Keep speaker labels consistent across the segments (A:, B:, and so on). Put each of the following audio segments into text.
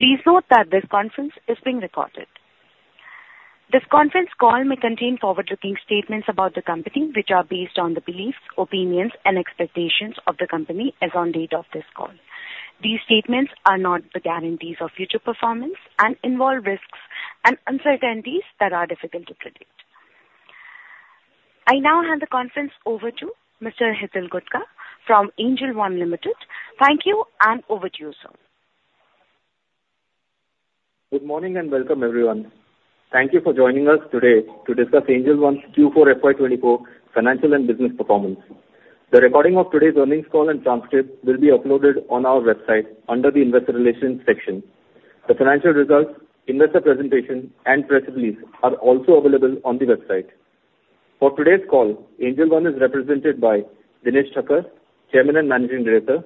A: Please note that this conference is being recorded. This conference call may contain forward-looking statements about the company, which are based on the beliefs, opinions and expectations of the company as on date of this call. These statements are not the guarantees of future performance and involve risks and uncertainties that are difficult to predict. I now hand the conference over to Mr. Hitul Gutka from Angel One Limited. Thank you, and over to you, sir.
B: Good morning, and welcome, everyone. Thank you for joining us today to discuss Angel One's Q4 FY 2024 financial and business performance. The recording of today's earnings call and transcript will be uploaded on our website under the Investor Relations section. The financial results, investor presentation and press release are also available on the website. For today's call, Angel One is represented by Dinesh Thakkar, Chairman and Managing Director,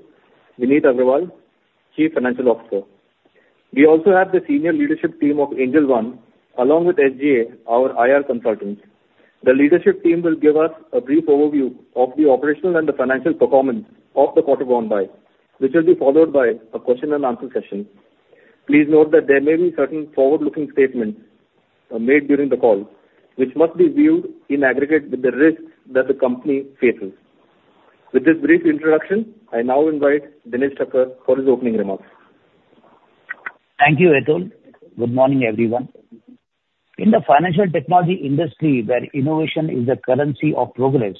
B: Vineet Agrawal, Chief Financial Officer. We also have the senior leadership team of Angel One, along with SGA, our IR consultants. The leadership team will give us a brief overview of the operational and the financial performance of the quarter gone by, which will be followed by a question and answer session. Please note that there may be certain forward-looking statements made during the call, which must be viewed in aggregate with the risks that the company faces. With this brief introduction, I now invite Dinesh Thakkar for his opening remarks.
C: Thank you, Hitul. Good morning, everyone. In the financial technology industry, where innovation is the currency of progress,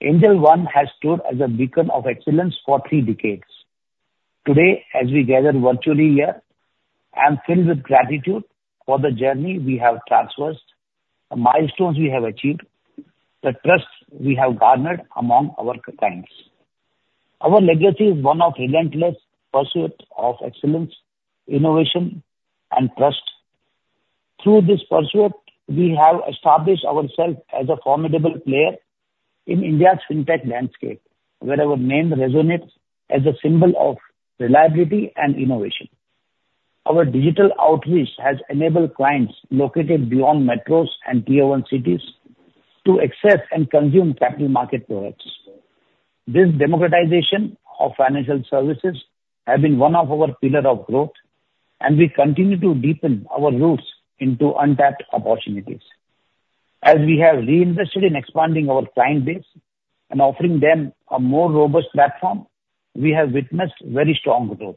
C: Angel One has stood as a beacon of excellence for three decades. Today, as we gather virtually here, I'm filled with gratitude for the journey we have traversed, the milestones we have achieved, the trust we have garnered among our clients. Our legacy is one of relentless pursuit of excellence, innovation and trust. Through this pursuit, we have established ourselves as a formidable player in India's fintech landscape, where our name resonates as a symbol of reliability and innovation. Our digital outreach has enabled clients located beyond metros and Tier cities to access and consume capital market products. This democratization of financial services has been one of our pillar of growth, and we continue to deepen our roots into untapped opportunities. As we have reinvested in expanding our client base and offering them a more robust platform, we have witnessed very strong growth.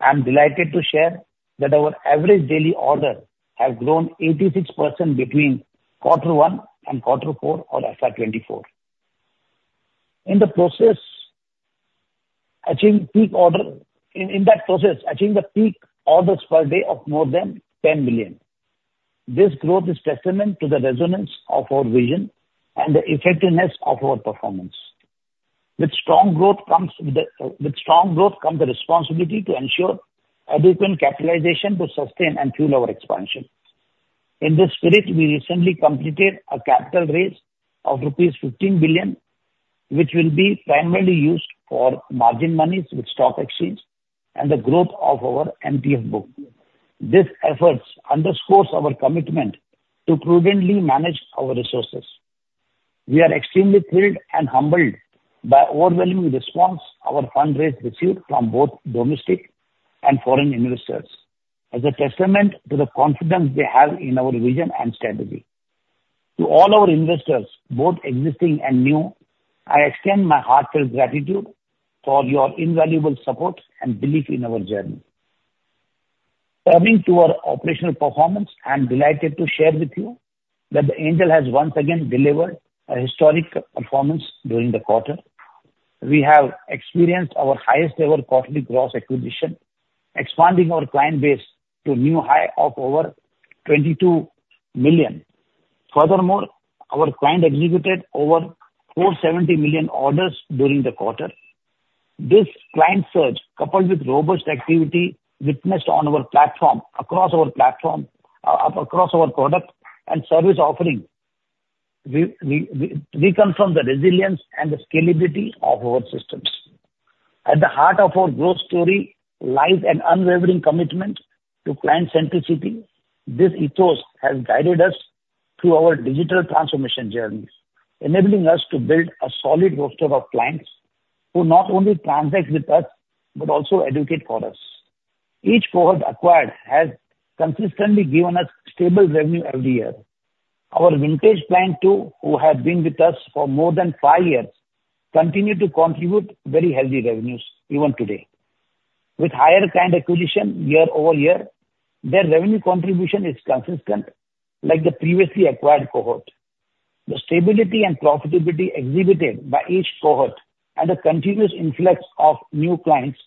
C: I'm delighted to share that our average daily order has grown 86% between quarter one and quarter four of FY 2024. In that process, achieving the peak orders per day of more than 10 million. This growth is testament to the resonance of our vision and the effectiveness of our performance. With strong growth come the responsibility to ensure adequate capitalization to sustain and fuel our expansion. In this spirit, we recently completed a capital raise of rupees 15 billion, which will be primarily used for margin monies with stock exchange and the growth of our MTF book. These efforts underscores our commitment to prudently manage our resources. We are extremely thrilled and humbled by overwhelming response our fundraise received from both domestic and foreign investors as a testament to the confidence they have in our vision and strategy. To all our investors, both existing and new, I extend my heartfelt gratitude for your invaluable support and belief in our journey. Coming to our operational performance, I'm delighted to share with you that Angel has once again delivered a historic performance during the quarter. We have experienced our highest ever quarterly gross acquisition, expanding our client base to a new high of over 22 million. Furthermore, our client executed over 470 million orders during the quarter. This client surge, coupled with robust activity witnessed on our platform, across our platform, across our product and service offering, we confirm the resilience and the scalability of our systems. At the heart of our growth story lies an unwavering commitment to client centricity. This ethos has guided us through our digital transformation journeys, enabling us to build a solid roster of clients who not only transact with us but also advocate for us. Each cohort acquired has consistently given us stable revenue every year. Our vintage clients, too, who have been with us for more than five years, continue to contribute very healthy revenues even today. With higher client acquisition year-over-year, their revenue contribution is consistent like the previously acquired cohort. The stability and profitability exhibited by each cohort and the continuous influx of new clients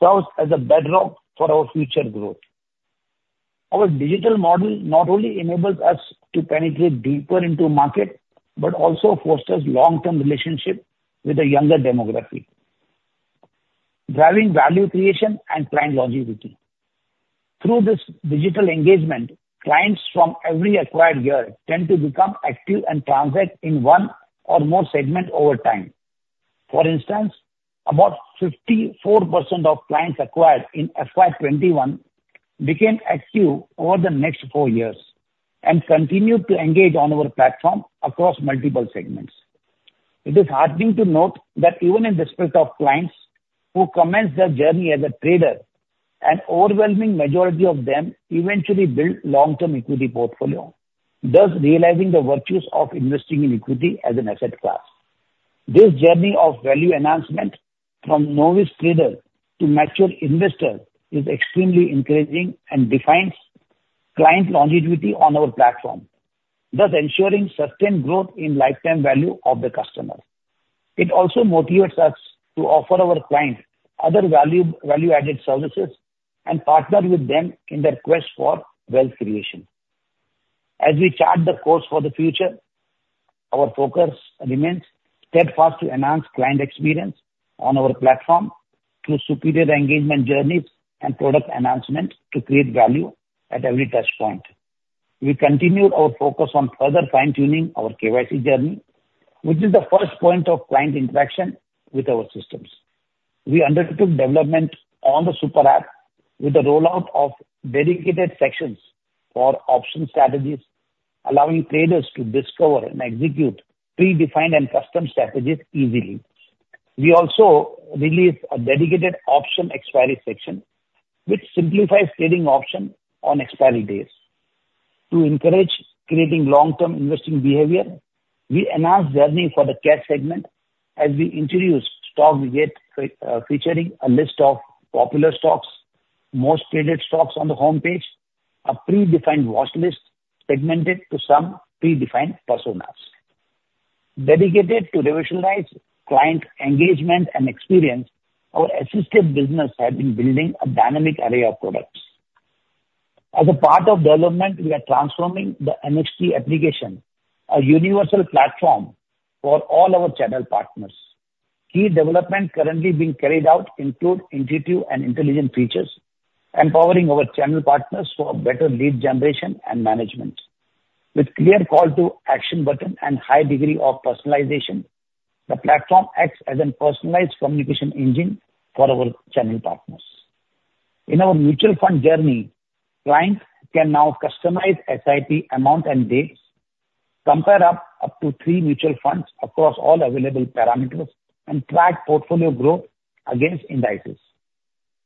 C: serves as a bedrock for our future growth. Our digital model not only enables us to penetrate deeper into market, but also fosters long-term relationship with a younger demography, driving value creation and client longevity. Through this digital engagement, clients from every acquired year tend to become active and transact in one or more segments over time. For instance, about 54% of clients acquired in FY 2021 became active over the next four years and continued to engage on our platform across multiple segments.... It is heartening to note that even in respect of clients who commence their journey as a trader, an overwhelming majority of them eventually build long-term equity portfolio, thus realizing the virtues of investing in equity as an asset class. This journey of value enhancement from novice trader to mature investor is extremely encouraging and defines client longevity on our platform, thus ensuring sustained growth in lifetime value of the customer. It also motivates us to offer our clients other value, value-added services and partner with them in their quest for wealth creation. As we chart the course for the future, our focus remains steadfast to enhance client experience on our platform through superior engagement journeys and product enhancements to create value at every touch point. We continued our focus on further fine-tuning our KYC journey, which is the first point of client interaction with our systems. We undertook development on the super app with the rollout of dedicated sections for option strategies, allowing traders to discover and execute predefined and custom strategies easily. We also released a dedicated option expiry section, which simplifies trading option on expiry days. To encourage creating long-term investing behavior, we enhanced journey for the Cash segment as we introduced Stock Case, featuring a list of popular stocks, most traded stocks on the homepage, a predefined watchlist segmented to some predefined personas. Dedicated to revolutionize client engagement and experience, our assisted business has been building a dynamic array of products. As a part of development, we are transforming the NXT application, a universal platform for all our channel partners. Key development currently being carried out include intuitive and intelligent features, empowering our channel partners for better lead generation and management. With clear call to action button and high degree of personalization, the platform acts as a personalized communication engine for our channel partners. In our mutual fund journey, clients can now customize SIP amount and dates, compare up to three mutual funds across all available parameters, and track portfolio growth against indices.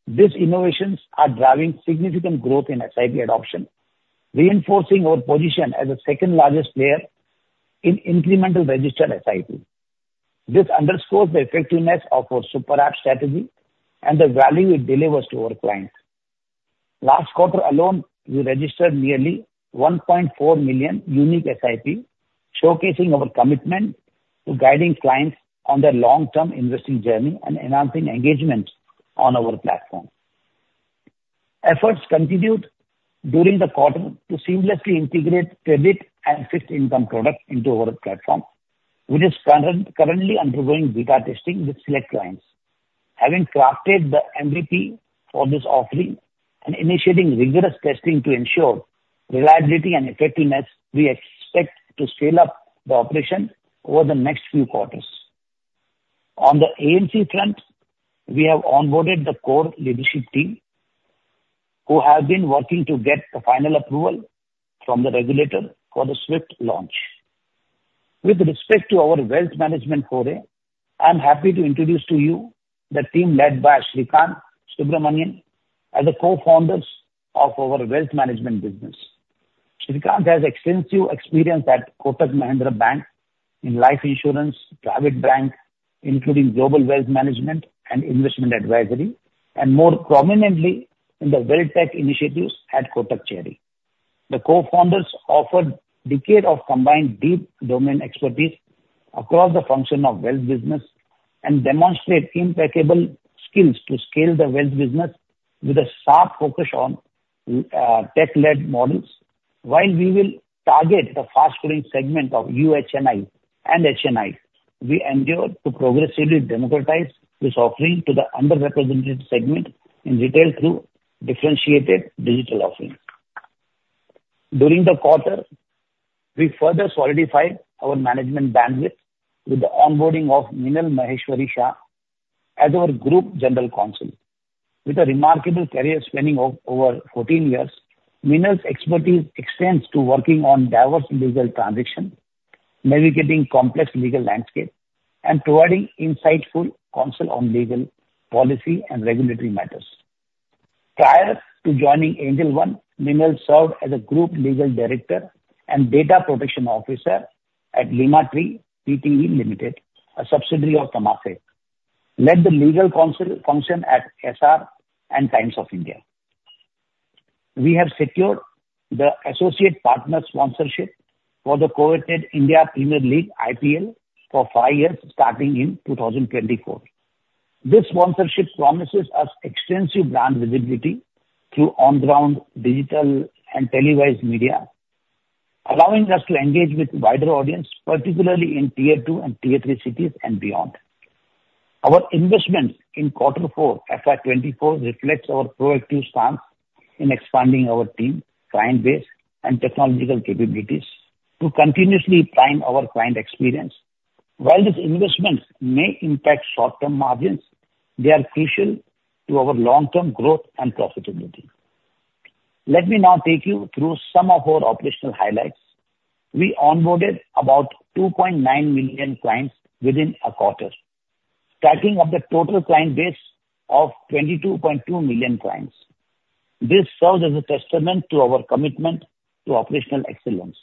C: These innovations are driving significant growth in SIP adoption, reinforcing our position as the second largest player in incremental registered SIP. This underscores the effectiveness of our super app strategy and the value it delivers to our clients. Last quarter alone, we registered nearly 1.4 million unique SIP, showcasing our commitment to guiding clients on their long-term investing journey and enhancing engagement on our platform. Efforts continued during the quarter to seamlessly integrate credit and fixed income products into our platform, which is currently undergoing beta testing with select clients. Having crafted the MVP for this offering and initiating rigorous testing to ensure reliability and effectiveness, we expect to scale up the operation over the next few quarters. On the AMC front, we have onboarded the core leadership team, who have been working to get the final approval from the regulator for the swift launch. With respect to our wealth management foray, I'm happy to introduce to you the team led by Srikanth Subramanian as the co-founders of our wealth management business. Srikanth has extensive experience at Kotak Mahindra Bank in life insurance, private bank, including global wealth management and investment advisory, and more prominently in the wealth tech initiatives at Kotak Cherry. The co-founders offer decades of combined deep domain expertise across the function of wealth business and demonstrate impeccable skills to scale the wealth business with a sharp focus on tech-led models. While we will target the fast-growing segment of UHNI and HNI, we endeavor to progressively democratize this offering to the underrepresented segment in retail through differentiated digital offerings. During the quarter, we further solidified our management bandwidth with the onboarding of Meenal Maheshwari Shah as our Group General Counsel. With a remarkable career spanning over 14 years, Meenal's expertise extends to working on diverse legal transactions, navigating complex legal landscape, and providing insightful counsel on legal, policy, and regulatory matters. Prior to joining Angel One, Meenal served as a group legal director and data protection officer at Lemmatree Pte. Ltd., a subsidiary of Temasek, led the legal counsel function at Essar and Times of India. We have secured the associate partner sponsorship for the coveted Indian Premier League, IPL, for five years starting in 2024. This sponsorship promises us extensive brand visibility through on-ground, digital, and televised media, allowing us to engage with wider audience, particularly in Tier 2 and Tier 3 cities and beyond. Our investments in quarter four, FY 2024, reflects our proactive stance in expanding our team, client base, and technological capabilities to continuously prime our client experience. While these investments may impact short-term margins, they are crucial to our long-term growth and profitability. Let me now take you through some of our operational highlights. We onboarded about 2.9 million clients within a quarter, starting up the total client base of 22.2 million clients. This serves as a testament to our commitment to operational excellence.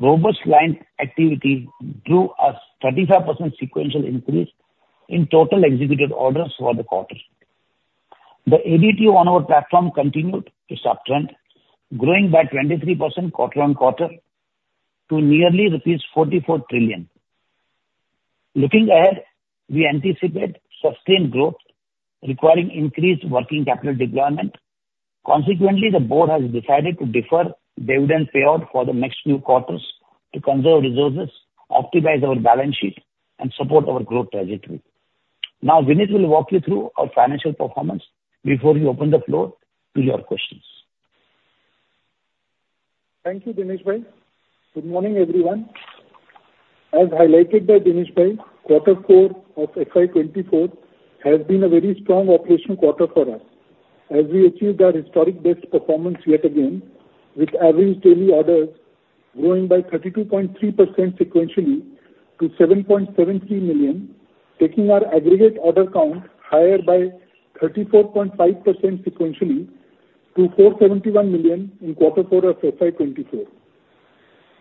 C: Robust client activity drew a 35% sequential increase in total executed orders for the quarter. The ADT on our platform continued to uptrend, growing by 23% quarter-on-quarter to nearly rupees 44 trillion. Looking ahead, we anticipate sustained growth requiring increased working capital deployment. Consequently, the board has decided to defer dividend payout for the next few quarters to conserve resources, optimize our balance sheet, and support our growth trajectory. Now, Vineet will walk you through our financial performance before we open the floor to your questions.
D: Thank you, Dinesh Thakkar. Good morning, everyone. As highlighted by Dinesh Thakkar, quarter four of FY 2024 has been a very strong operational quarter for us, as we achieved our historic best performance yet again, with average daily orders growing by 32.3% sequentially to 7.73 million, taking our aggregate order count higher by 34.5% sequentially to 471 million in quarter four of FY 2024.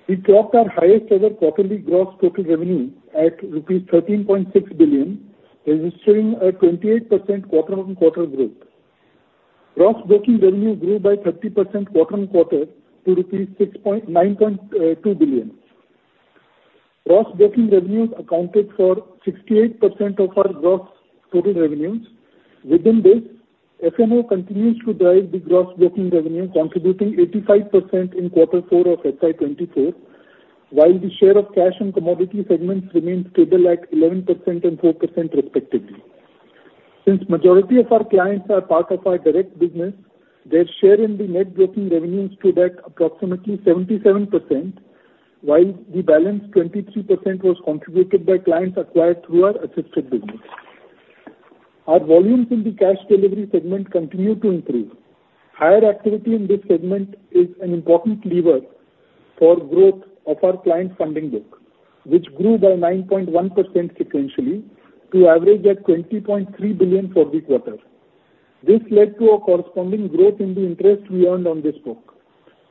D: We clocked our highest ever quarterly gross total revenue at rupees 13.6 billion, registering a 28% quarter-on-quarter growth. Gross broking revenue grew by 30% quarter-on-quarter to rupees 6.92 billion. Gross broking revenues accounted for 68% of our gross total revenues. Within this, F&O continues to drive the gross broking revenue, contributing 85% in quarter four of FY 2024, while the share of cash and commodity segments remains stable at 11% and 4% respectively. Since majority of our clients are part of our direct business, their share in the net broking revenues stood at approximately 77%, while the balance 23% was contributed by clients acquired through our assisted business. Our volumes in the cash delivery segment continue to improve. Higher activity in this segment is an important lever for growth of our client funding book, which grew by 9.1% sequentially to average at 20.3 billion for the quarter. This led to a corresponding growth in the interest we earned on this book.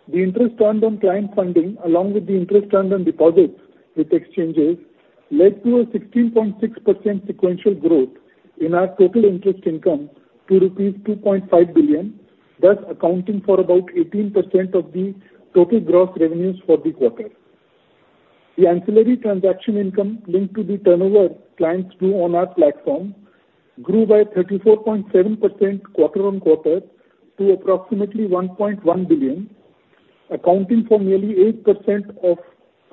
D: The interest earned on client funding, along with the interest earned on deposits with exchanges, led to a 16.6% sequential growth in our total interest income to rupees 2.5 billion, thus accounting for about 18% of the total gross revenues for the quarter. The ancillary transaction income linked to the turnover clients do on our platform grew by 34.7% quarter on quarter to approximately 1.1 billion, accounting for nearly 8% of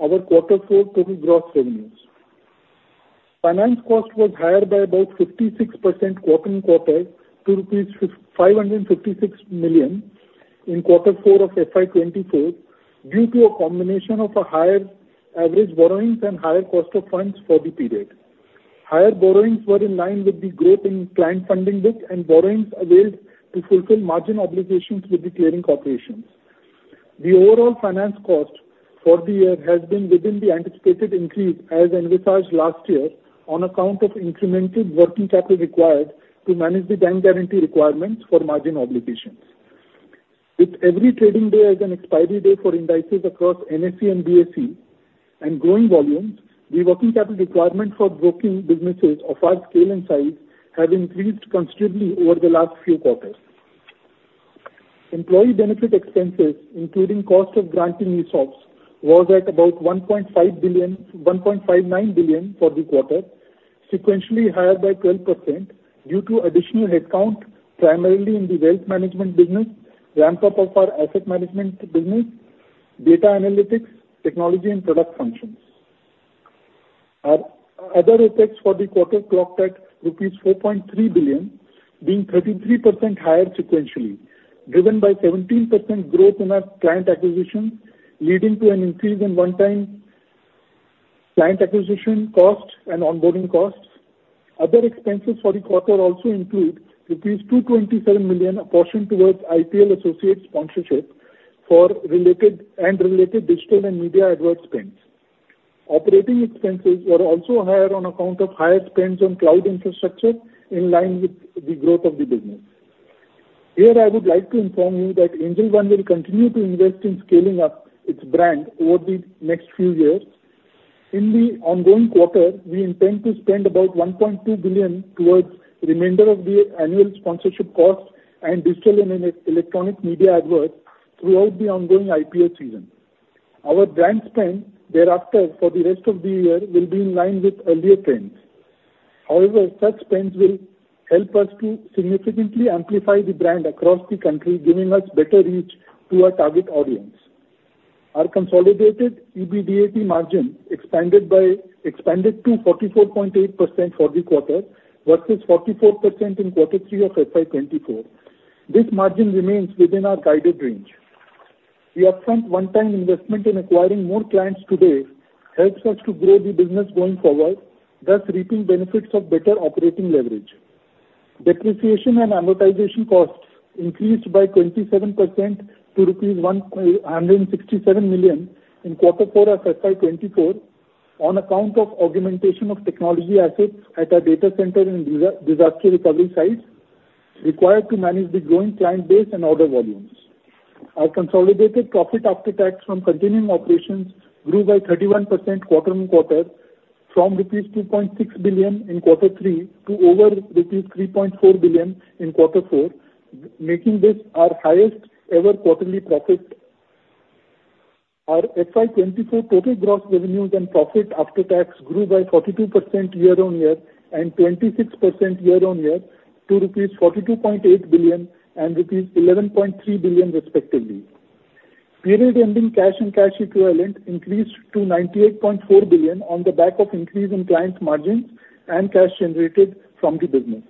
D: our quarter four total gross revenues. Finance cost was higher by about 56% quarter on quarter to rupees 556 million in quarter four of FY 2024, due to a combination of a higher average borrowings and higher cost of funds for the period. Higher borrowings were in line with the growth in client funding book and borrowings availed to fulfill margin obligations with the clearing corporations. The overall finance cost for the year has been within the anticipated increase, as envisaged last year, on account of incremental working capital required to manage the bank guarantee requirements for margin obligations. With every trading day as an expiry day for indices across NSE and BSE and growing volumes, the working capital requirement for broking businesses of our scale and size have increased considerably over the last few quarters. Employee benefit expenses, including cost of granting ESOPs, was at about 1.5 billion - 1.59 billion for the quarter, sequentially higher by 12% due to additional headcount, primarily in the wealth management business, ramp up of our asset management business, data analytics, technology and product functions. Our other expense for the quarter clocked at rupees 4.3 billion, being 33% higher sequentially, driven by 17% growth in our client acquisition, leading to an increase in one-time client acquisition costs and onboarding costs. Other expenses for the quarter also include rupees 227 million apportioned towards IPL associate sponsorship for related and related digital and media advert spends. Operating expenses were also higher on account of higher spends on cloud infrastructure, in line with the growth of the business. Here, I would like to inform you that Angel One will continue to invest in scaling up its brand over the next few years. In the ongoing quarter, we intend to spend about 1.2 billion towards the remainder of the annual sponsorship costs and digital and electronic media adverts throughout the ongoing IPL season. Our brand spend thereafter for the rest of the year will be in line with earlier trends. However, such spends will help us to significantly amplify the brand across the country, giving us better reach to our target audience. Our consolidated EBITDA margin expanded to 44.8% for the quarter versus 44% in quarter three of FY 2024. This margin remains within our guided range. The upfront one-time investment in acquiring more clients today helps us to grow the business going forward, thus reaping benefits of better operating leverage. Depreciation and amortization costs increased by 27% to rupees 167 million in quarter four of FY 2024 on account of augmentation of technology assets at our data center and disaster recovery sites required to manage the growing client base and order volumes. Our consolidated profit after tax from continuing operations grew by 31% quarter-on-quarter from rupees 2.6 billion in quarter three to over rupees 3.4 billion in quarter four, making this our highest ever quarterly profit. Our FY 2024 total gross revenues and profit after tax grew by 42% year-on-year and 26% year-on-year to rupees 42.8 billion and rupees 11.3 billion respectively. Period ending cash and cash equivalent increased to 98.4 billion on the back of increase in client margins and cash generated from the business.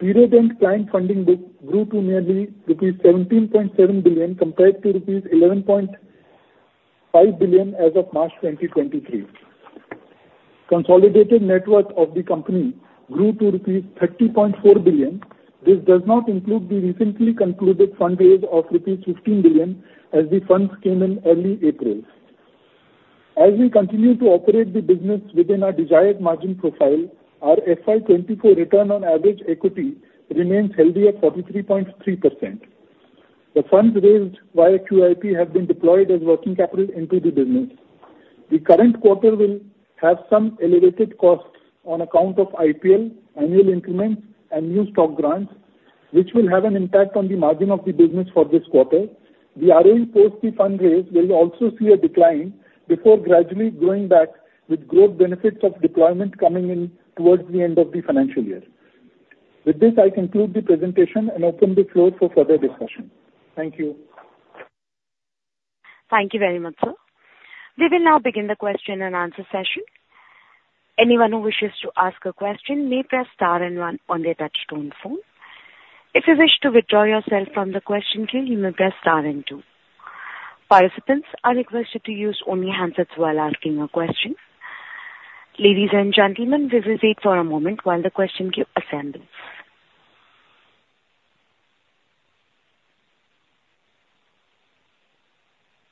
D: Period end client funding book grew to nearly rupees 17.7 billion, compared to rupees 11.5 billion as of March 2023. Consolidated net worth of the company grew to rupees 30.4 billion. This does not include the recently concluded fundraise of rupees 15 billion, as the funds came in early April. As we continue to operate the business within our desired margin profile, our FY 2024 return on average equity remains healthy at 43.3%. The funds raised via QIP have been deployed as working capital into the business. The current quarter will have some elevated costs on account of IPL, annual increments and new stock grants, which will have an impact on the margin of the business for this quarter. The RoA post the fundraise will also see a decline before gradually going back with growth benefits of deployment coming in towards the end of the financial year. With this, I conclude the presentation and open the floor for further discussion. Thank you.
A: Thank you very much, sir. We will now begin the question-and-answer session. Anyone who wishes to ask a question may press star and one on their touchtone phone. If you wish to withdraw yourself from the question queue, you may press star and two. Participants are requested to use only handsets while asking your questions. Ladies and gentlemen, we will wait for a moment while the question queue assembles.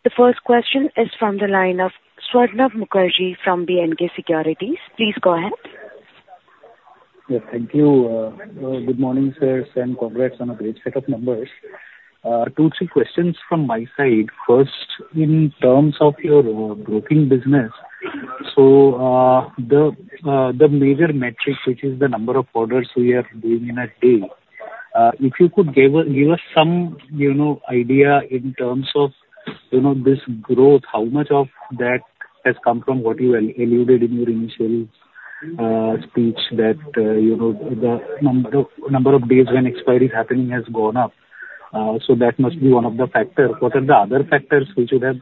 A: The first question is from the line of Swarnabh Mukherjee from B&K Securities. Please go ahead.
E: Yes, thank you. Good morning, sirs, and congrats on a great set of numbers. Two, three questions from my side. First, in terms of your broking business, so the major metric, which is the number of orders we are doing in a day, if you could give us some, you know, idea in terms of, you know, this growth, how much of that has come from what you alluded in your initial speech, that you know, the number of days when expiry is happening has gone up. So that must be one of the factors. What are the other factors which would have,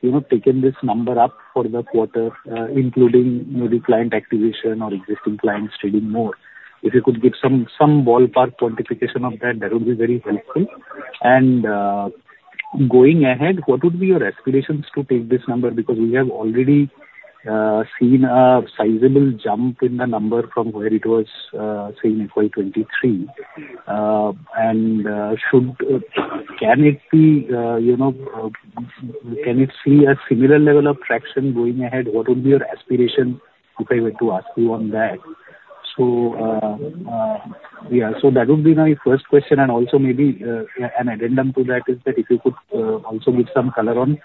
E: you know, taken this number up for the quarter, including maybe client activation or existing clients trading more? If you could give some, some ballpark quantification of that, that would be very helpful. And, going ahead, what would be your aspirations to take this number? Because we have already, seen a sizable jump in the number from where it was, say, in FY 2023. And, should, can it be, you know, can it see a similar level of traction going ahead? What would be your aspiration, if I were to ask you on that? So, yeah, so that would be my first question. And also maybe, an addendum to that is that if you could, also give some color on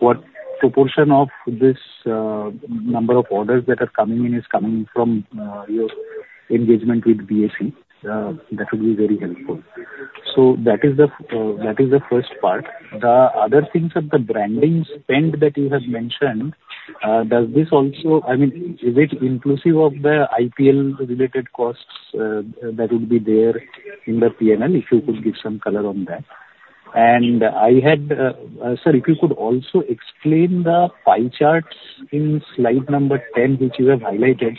E: what proportion of this, number of orders that are coming in is coming from, your engagement with BSE. That would be very helpful. So that is the first part. The other things are the branding spend that you have mentioned. Does this also... I mean, is it inclusive of the IPL-related costs that would be there in the P&L? If you could give some color on that. And I had, sir, if you could also explain the pie charts in slide number 10, which you have highlighted.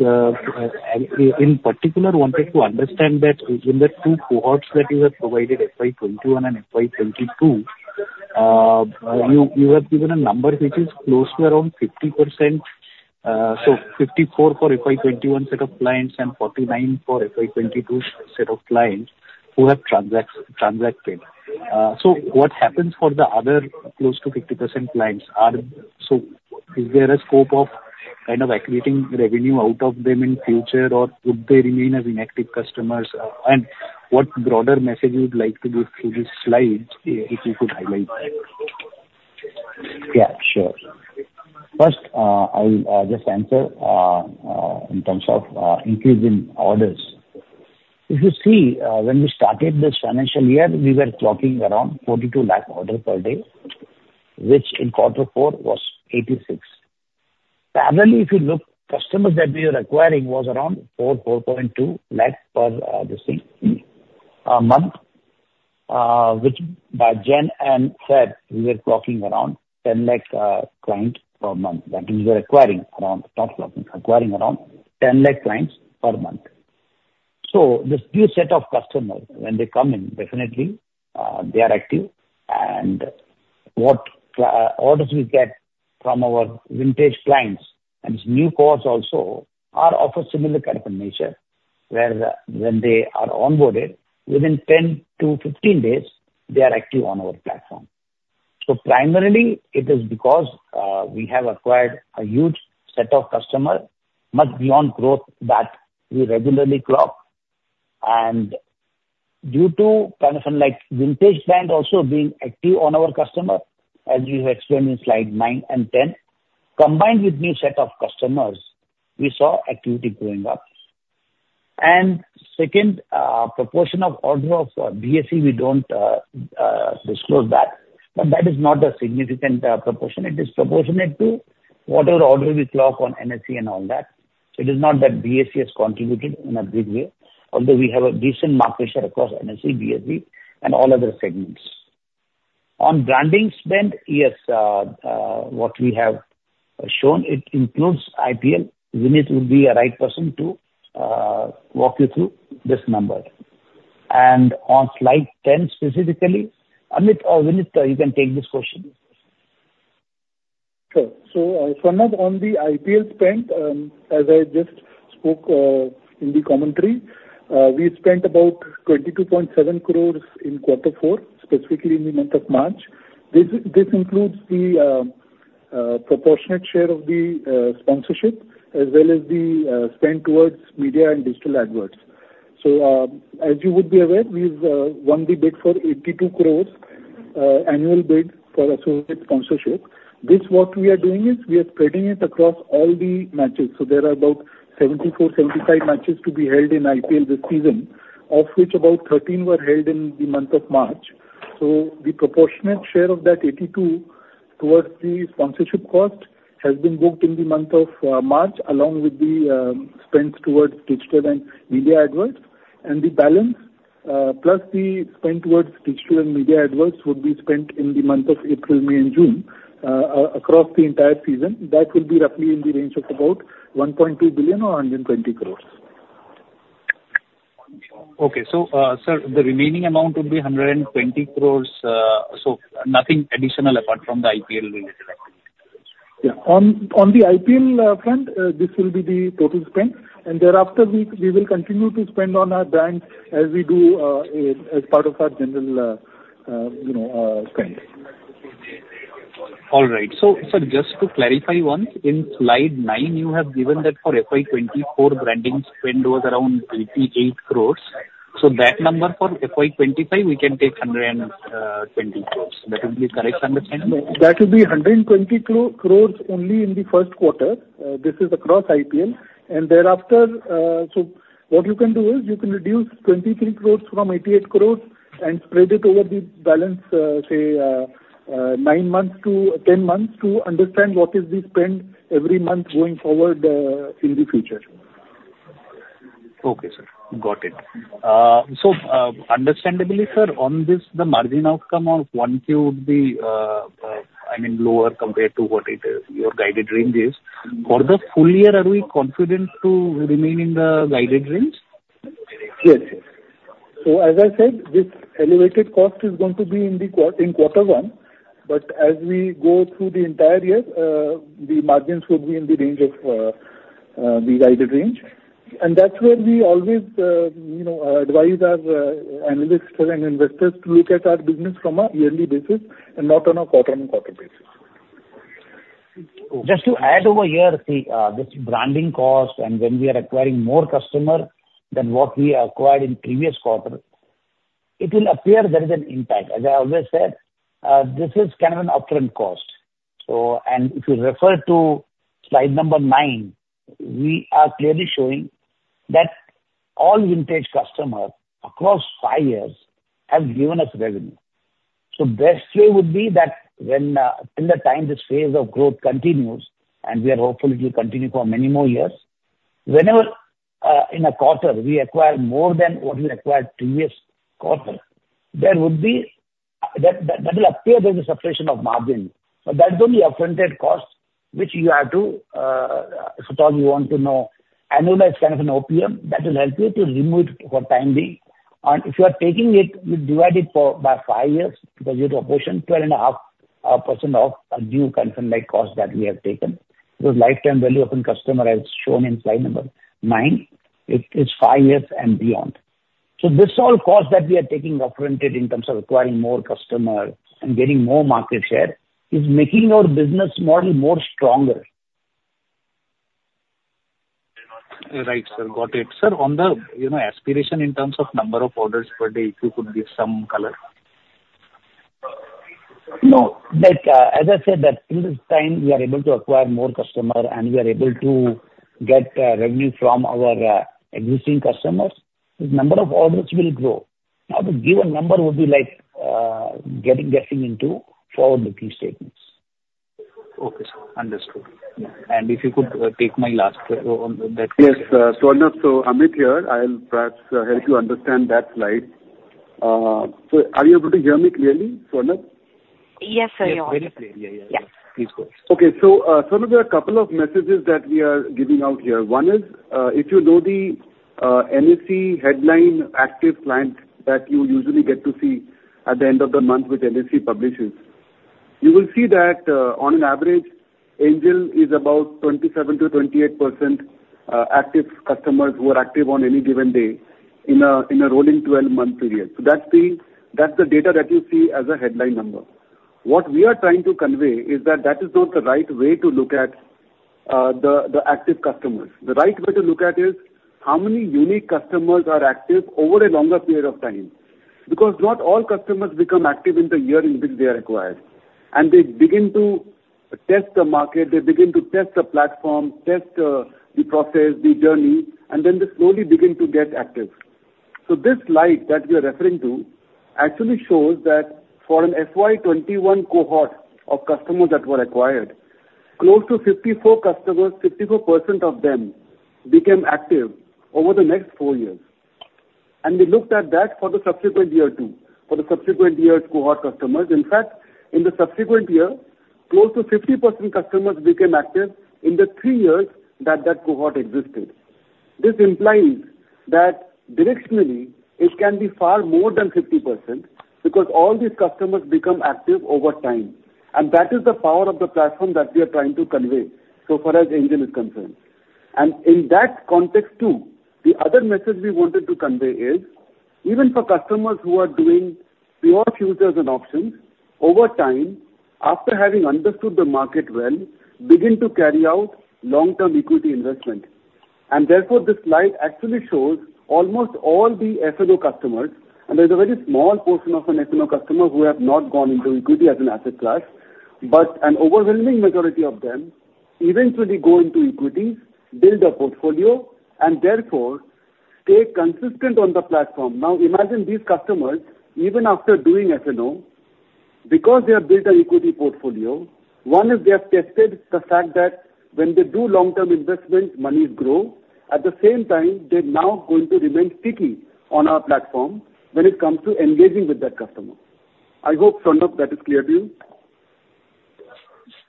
E: In particular, wanted to understand that in the two cohorts that you have provided, FY 2021 and FY 2022, you have given a number which is close to around 50%. So 54% for FY 2021 set of clients and 49% for FY 2022 set of clients who have transacted. So what happens for the other close to 50% clients? So is there a scope of kind of activating revenue out of them in future, or would they remain as inactive customers? And what broader message you would like to give through these slides, if you could highlight?
C: Yeah, sure. First, I'll just answer in terms of increase in orders. If you see, when we started this financial year, we were clocking around 42 lakh order per day, which in quarter four was 86. Parallelly, if you look, customers that we were acquiring was around 4, 4.2 lakh per this thing, month, which by Gen and Set, we were clocking around 10 lakh clients per month. That we were acquiring around, not clocking, acquiring around 10 lakh clients per month. So this new set of customers, when they come in, definitely, they are active, and what orders we get from our vintage clients and new cohorts also are of a similar kind of nature, where when they are onboarded, within 10-15 days, they are active on our platform. So primarily, it is because we have acquired a huge set of customers, much beyond growth that we regularly clock. Due to kind of like vintage base also being active on our customers, as we have explained in slide nine and 10, combined with new set of customers, we saw activity going up. Second, proportion of orders of BSE, we don't disclose that, but that is not a significant proportion. It is proportionate to whatever order we clock on NSE and all that. So it is not that BSE has contributed in a big way, although we have a decent market share across NSE, BSE, and all other segments. On branding spend, yes, what we have shown, it includes IPL. Vineet would be a right person to walk you through this number. And on slide 10, specifically, Amit or Vineet, you can take this question.
D: Sure. So, Swarnabh, on the IPL spend, as I just spoke in the commentary, we spent about 22.7 crore in quarter four, specifically in the month of March. This includes the proportionate share of the sponsorship, as well as the spend towards media and digital adverts. So, as you would be aware, we've won the bid for 82 crore, annual bid for associate sponsorship. This, what we are doing is, we are spreading it across all the matches. So there are about 74-75 matches to be held in IPL this season, of which about 13 were held in the month of March. So the proportionate share of that 82 towards the sponsorship cost has been booked in the month of March, along with the spends towards digital and media adverts. The balance, plus the spend towards digital and media adverts, would be spent in the month of April, May, and June, across the entire season. That will be roughly in the range of about 1.2 billion or 120 crore.
E: Okay. So, sir, the remaining amount will be 120 crore, so nothing additional apart from the IPL will be selected?
D: Yeah. On the IPL front, this will be the total spend, and thereafter, we will continue to spend on our brand as we do as part of our general, you know, spend.
E: All right. So, sir, just to clarify once, in slide nine, you have given that for FY 2024, branding spend was around 88 crore. So that number for FY 2025, we can take 120 crore. That would be correct understanding?
D: No, that would be 120 crore only in the first quarter. This is across IPL, and thereafter, so what you can do is, you can reduce 23 crore from 88 crore and spread it over the balance, say, nine months to 10 months to understand what is the spend every month going forward, in the future.
E: Okay, sir. Got it. So, understandably, sir, on this, the margin outcome of 1Q would be, I mean, lower compared to what it is, your guided range is. For the full year, are we confident to remain in the guided range?
D: Yes. Yes. So as I said, this elevated cost is going to be in the quarter one, but as we go through the entire year, the margins will be in the range of, the guided range. And that's where we always, you know, advise our analysts and investors to look at our business from a yearly basis and not on a quarter-on-quarter basis.
C: Just to add over here, the, this branding cost, and when we are acquiring more customer than what we acquired in previous quarter, it will appear there is an impact. As I always said, this is kind of an upfront cost. So, and if you refer to slide number nine, we are clearly showing that all vintage customers across five years have given us revenue. So best way would be that when, in the time this phase of growth continues, and we are hopeful it will continue for many more years, whenever, in a quarter, we acquire more than what we acquired previous quarter, there would be, that, that, will appear there's a suppression of margin. But that's only upfront cost, which you have to suppose you want to know, annualize kind of an OPM, that will help you to remove it for the time being. And if you are taking it, you divide it by five years, because your proportion, 12.5% of a new kind of like cost that we have taken. So lifetime value of a customer as shown in slide number nine, it is five years and beyond. So this all cost that we are taking up front in terms of acquiring more customer and getting more market share, is making our business model more stronger.
E: Right, sir. Got it. Sir, on the, you know, aspiration in terms of number of orders per day, if you could give some color?
C: No. Like, as I said, that in this time, we are able to acquire more customer, and we are able to get revenue from our existing customers, the number of orders will grow. Now, to give a number would be like getting, guessing into forward-looking statements.
E: Okay, sir. Understood.
C: Yeah.
E: If you could take my last on that-
F: Yes, Swarnabh. So Amit here, I'll perhaps help you understand that slide. So are you able to hear me clearly, Swarnabh?...
C: Yes, sir, you're on.
E: Yeah, yeah.
C: Yes.
E: Please go.
F: Okay, so, some of the couple of messages that we are giving out here, one is, if you know the, NSE headline active client that you usually get to see at the end of the month, which NSE publishes. You will see that, on an average, Angel is about 27%-28%, active customers who are active on any given day in a, in a rolling twelve-month period. So that's the, that's the data that you see as a headline number. What we are trying to convey is that that is not the right way to look at, the, the active customers. The right way to look at is how many unique customers are active over a longer period of time. Because not all customers become active in the year in which they are acquired, and they begin to test the market, they begin to test the platform, test the process, the journey, and then they slowly begin to get active. So this slide that we are referring to actually shows that for an FY 2021 cohort of customers that were acquired, close to 54 customers, 54% of them, became active over the next four years. We looked at that for the subsequent year, too, for the subsequent year's cohort customers. In fact, in the subsequent year, close to 50% customers became active in the three years that that cohort existed. This implies that directionally, it can be far more than 50%, because all these customers become active over time. And that is the power of the platform that we are trying to convey so far as Angel is concerned. And in that context, too, the other message we wanted to convey is, even for customers who are doing pure futures and options, over time, after having understood the market well, begin to carry out long-term equity investment. And therefore, this slide actually shows almost all the F&O customers, and there's a very small portion of an F&O customer who have not gone into equity as an asset class, but an overwhelming majority of them eventually go into equities, build a portfolio and therefore stay consistent on the platform. Now, imagine these customers, even after doing F&O, because they have built an equity portfolio, one is they have tested the fact that when they do long-term investment, monies grow. At the same time, they're now going to remain sticky on our platform when it comes to engaging with that customer. I hope, Swarnabh, that is clear to you?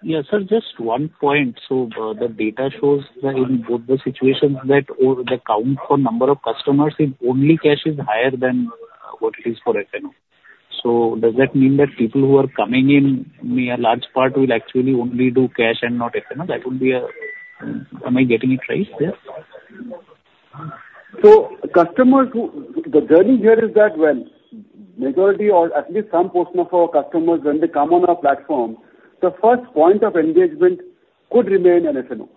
E: Yes, sir. Just one point. So the data shows that in both the situations, the count for number of customers in only cash is higher than what it is for F&O. So does that mean that people who are coming in, a large part will actually only do cash and not F&O? That would be. Am I getting it right there?
F: The journey here is that when majority or at least some portion of our customers, when they come on our platform, the first point of engagement could remain an F&O,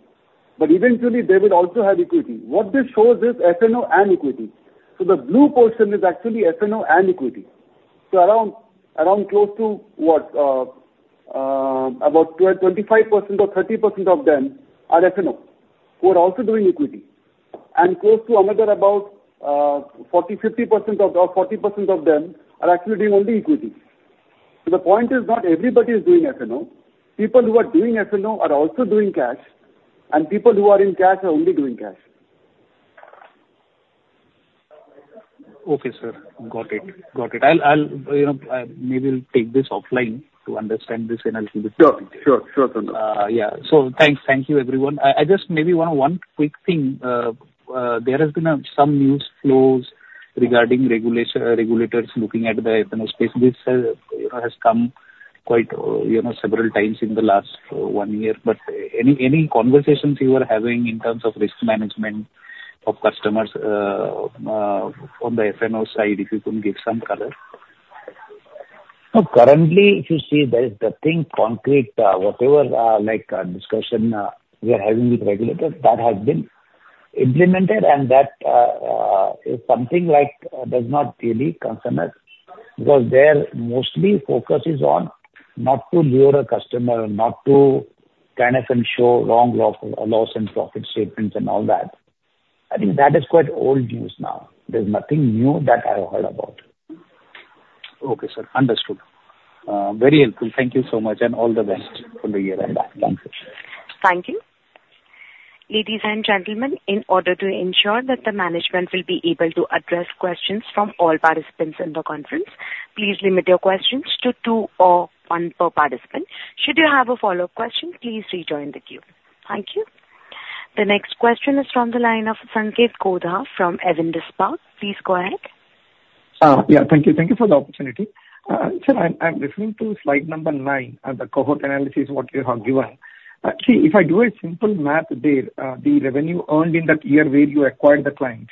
F: but eventually they will also have equity. What this shows is F&O and equity. So the blue portion is actually F&O and equity. So around, around close to what? About 25% or 30% of them are F&O, who are also doing equity. And close to another about 40%-50% of... or 40% of them are actually doing only equity. So the point is not everybody is doing F&O. People who are doing F&O are also doing cash, and people who are in cash are only doing cash.
E: Okay, sir. Got it. Got it. I'll, you know, maybe we'll take this offline to understand this in a little bit.
F: Sure, sure, sure, Swarnabh.
E: Yeah. So thanks. Thank you, everyone. I just maybe one quick thing. There has been some news flows regarding regulators looking at the F&O space. This, you know, has come quite, you know, several times in the last one year. But any conversations you are having in terms of risk management of customers from the F&O side, if you could give some color?
C: No, currently, if you see there, the concrete thing, whatever, like, discussion we are having with regulators, that has been implemented and that is something like, does not really concern us, because their main focus is on not to lure a customer, not to kind of ensure wrong loss and profit statements and all that. I think that is quite old news now. There's nothing new that I have heard about.
E: Okay, sir. Understood. Very helpful. Thank you so much and all the best for the year ahead. Thank you.
A: Thank you. Ladies and gentlemen, in order to ensure that the management will be able to address questions from all participants in the conference, please limit your questions to two or one per participant. Should you have a follow-up question, please rejoin the queue. Thank you. The next question is from the line of Sanketh Godha from Avendus Spark. Please go ahead.
G: Yeah, thank you. Thank you for the opportunity. Sir, I'm listening to slide number nine, and the cohort analysis what you have given. See, if I do a simple math there, the revenue earned in that year where you acquired the client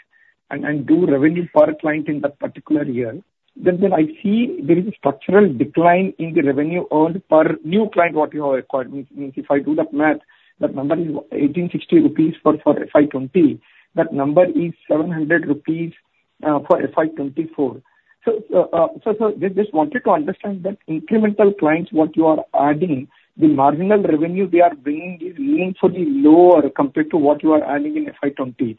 G: and do revenue per client in that particular year, then I see there is a structural decline in the revenue earned per new client what you have acquired. Means, if I do that math, that number is 1,860 rupees for FY 2020. That number is 700 rupees for FY 2024. So, sir, just wanted to understand that incremental clients what you are adding, the marginal revenue they are bringing is meaningfully lower compared to what you are adding in FY 2020.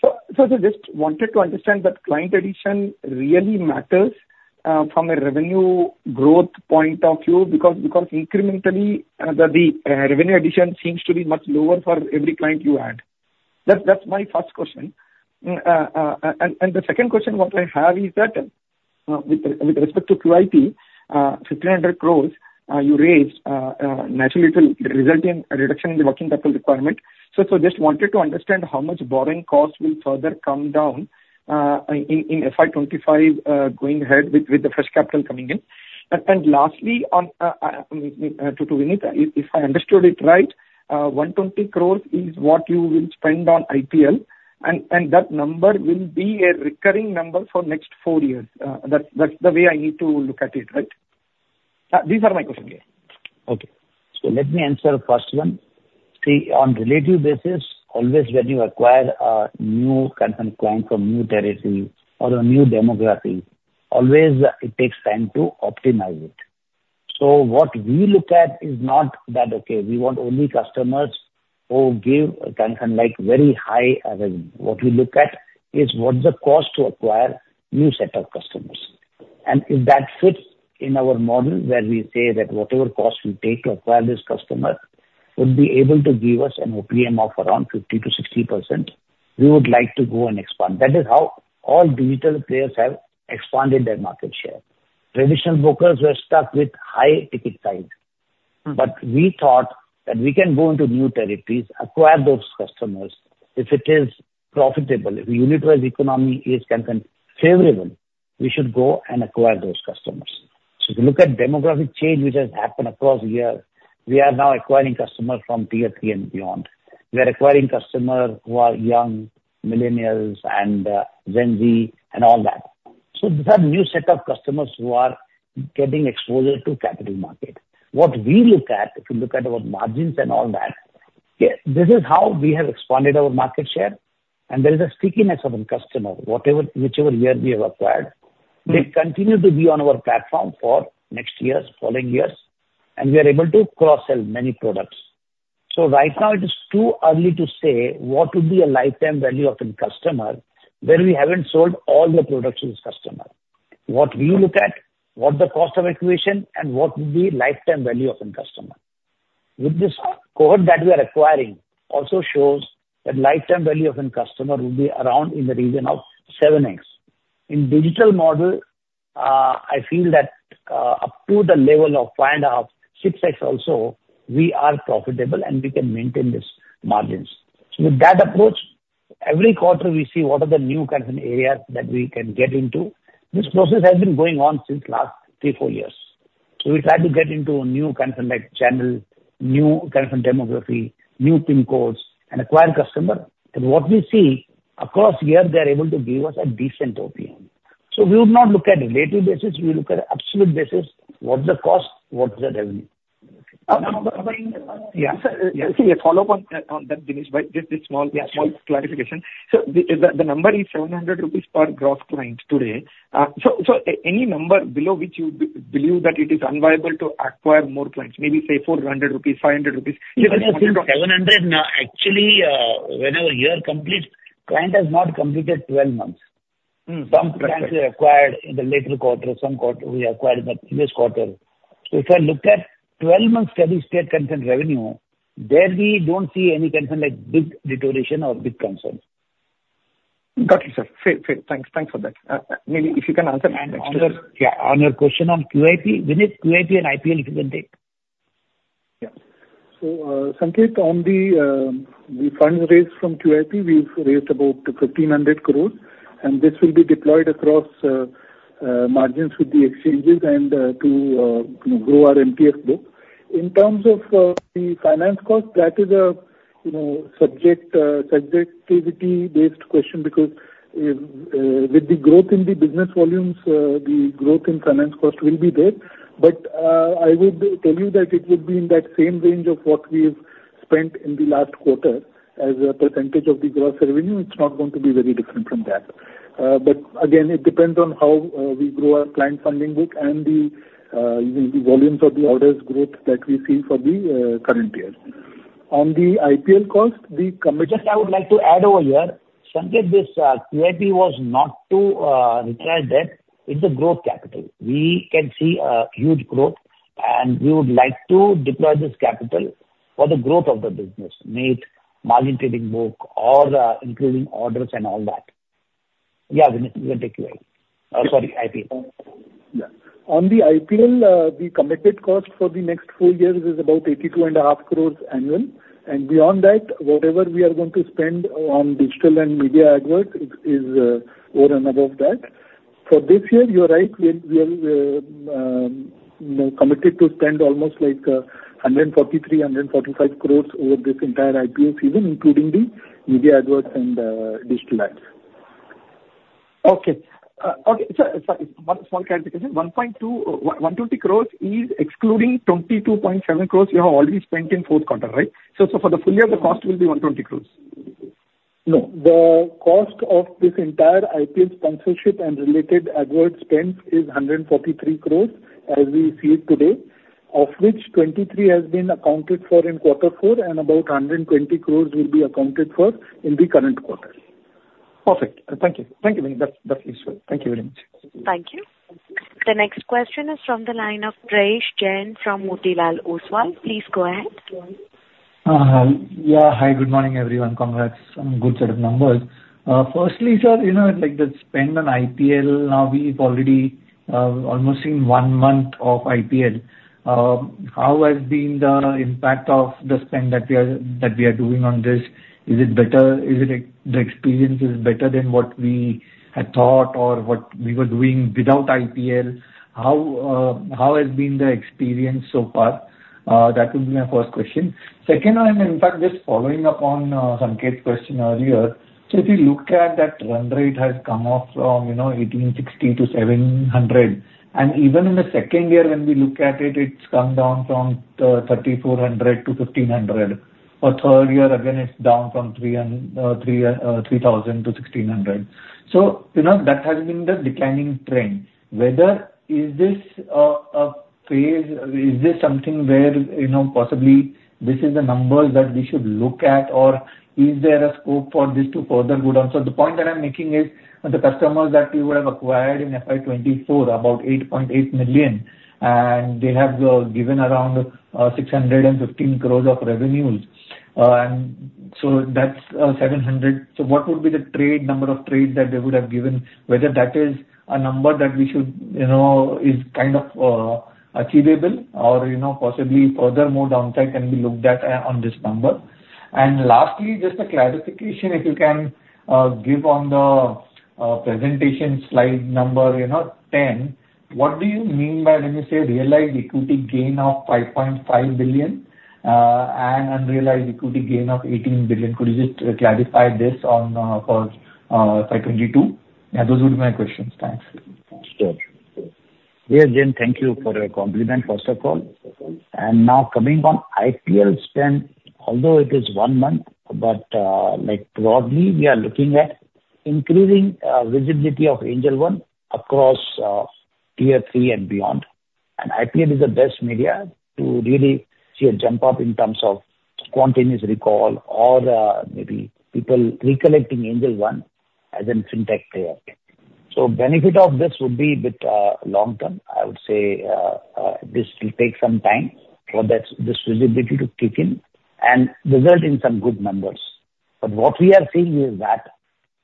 G: So just wanted to understand that client addition really matters from a revenue growth point of view, because incrementally the revenue addition seems to be much lower for every client you add. That's my first question. And the second question that I have is that with respect to QIP, 1,500 crore you raised, naturally it will result in a reduction in the working capital requirement. So just wanted to understand how much borrowing costs will further come down in FY 2025 going ahead with the fresh capital coming in. And lastly, on to Vineet, if I understood it right, 120 crore is what you will spend on IPL, and that number will be a recurring number for next four years. That's the way I need to look at it, right? These are my questions, yeah.
C: Okay. So let me answer the first one. See, on relative basis, always when you acquire a new kind of client from new territory or a new demography, always it takes time to optimize it. So what we look at is not that, okay, we want only customers who give kind of like very high revenue. What we look at is what's the cost to acquire new set of customers? And if that fits in our model, where we say that whatever cost we take to acquire this customer would be able to give us an OPM of around 50%-60%, we would like to go and expand. That is how all digital players have expanded their market share. Traditional brokers were stuck with high ticket size, but we thought that we can go into new territories, acquire those customers. If it is profitable, if unitized economy is kind of favorable, we should go and acquire those customers. So if you look at demographic change which has happened across the years, we are now acquiring customers from tier three and beyond. We are acquiring customers who are young millennials and, Gen Z and all that. So these are new set of customers who are getting exposure to capital market. What we look at, if you look at our margins and all that, yeah, this is how we have expanded our market share, and there is a stickiness of the customer, whatever, whichever year we have acquired. They continue to be on our platform for next years, following years, and we are able to cross-sell many products. So right now it is too early to say what would be a lifetime value of a customer where we haven't sold all the products to this customer. What we look at, what the cost of acquisition and what would be lifetime value of a customer. With this cohort that we are acquiring also shows that lifetime value of a customer will be around in the region of 7x. In digital model, I feel that, up to the level of 5.5, 6x also, we are profitable and we can maintain these margins. So with that approach, every quarter we see what are the new kind of areas that we can get into. This process has been going on since last three, four years. So we try to get into a new kind of like channel, new kind of demography, new PIN codes and acquire customer. And what we see across here, they're able to give us a decent OPM. So we would not look at relative basis, we look at absolute basis, what's the cost, what's the revenue?
G: Yeah, sir, see, a follow-up on, on that, Dinesh, but just a small, small clarification. So the number is 700 rupees per gross client today. So, any number below which you believe that it is unviable to acquire more clients, maybe say 400 rupees, 500 rupees?
C: 700, actually, whenever year completes, client has not completed 12 months.
G: Correct.
C: Some clients we acquired in the later quarter, some quarter we acquired in the previous quarter. So if I look at 12 months steady state kind of revenue, there we don't see any kind of like big deterioration or big concern.
G: Got you, sir. Fair, fair. Thanks. Thanks for that. Maybe if you can answer next-
C: On your, yeah, on your question on QIP, Vineet. QIP and IPL, give and take.
G: Yeah.
D: So, Sanketh, on the funds raised from QIP, we've raised about 1,500 crore, and this will be deployed across margins with the exchanges and to you know, grow our MTF book. In terms of the finance cost, that is a you know, subjectivity-based question because with the growth in the business volumes, the growth in finance cost will be there. But I would tell you that it would be in that same range of what we've spent in the last quarter. As a percentage of the gross revenue, it's not going to be very different from that. But again, it depends on how we grow our client funding book and the you know, the volumes of the orders growth that we see for the current year. On the IPL cost, the commitment-
C: Just, I would like to add over here, Sanketh, this QIP was not to retire debt. It's growth capital. We can see huge growth, and we would like to deploy this capital for the growth of the business, be it margin trading book or including orders and all that. Yeah, Vineet, you can take away. Sorry, IPL.
D: Yeah. On the IPL, the committed cost for the next four years is about 82.5 crore annually. And beyond that, whatever we are going to spend on digital and media adverts is, over and above that. For this year, you're right, we are, you know, committed to spend almost like, 143-145 crore over this entire IPL season, including the media adverts and, digital ads.
G: Okay. Okay, sir, sorry, one small clarification. 1.2, 120 crore is excluding 22.7 crore you have already spent in fourth quarter, right? So, for the full year, the cost will be 120 crores.
D: No, the cost of this entire IPL sponsorship and related advert spends is 143 crore, as we see it today, of which 23 has been accounted for in quarter four, and about 120 crore will be accounted for in the current quarter.
G: Perfect. Thank you. Thank you, that is well. Thank you very much.
A: Thank you. The next question is from the line of Prayesh Jain from Motilal Oswal. Please go ahead.
H: Yeah. Hi, good morning, everyone. Congrats on good set of numbers. Firstly, sir, you know, like, the spend on IPL, now, we've already almost seen one month of IPL. How has been the impact of the spend that we are doing on this? Is it better? Is the experience better than what we had thought or what we were doing without IPL? How has been the experience so far? That would be my first question. Second, and in fact, just following up on Sanketh's question earlier, so if you look at that run rate has come off from, you know, 1,860 to 700, and even in the second year, when we look at it, it's come down from 3,400 to 1,500. For the third year, again, it's down from 3,000 to 1,600. So, you know, that has been the declining trend. Whether this is a phase? Is this something where, you know, possibly this is the numbers that we should look at, or is there a scope for this to further go down? So the point that I'm making is, the customers that you would have acquired in FY 2024, about 8.8 million, and they have given around 615 crore of revenues, and so that's 700. So what would be the number of trades that they would have given, whether that is a number that we should, you know, is kind of achievable or, you know, possibly further more downside can be looked at on this number? Lastly, just a clarification, if you can give on the presentation slide number 10, you know. What do you mean by when you say realized equity gain of 5.5 billion and unrealized equity gain of 18 billion? Could you just clarify this one for FY 2022? Yeah, those would be my questions. Thanks.
C: Sure. Yeah, Jain, thank you for your compliment, first of all. And now, coming on IPL spend, although it is one month, but, like, broadly, we are looking at increasing visibility of Angel One across tier three and beyond. And IPL is the best media to really see a jump up in terms of spontaneous recall or maybe people recollecting Angel One as a fintech player. So benefit of this would be with long term. I would say, this will take some time for that, this visibility to kick in and result in some good numbers. But what we are seeing is that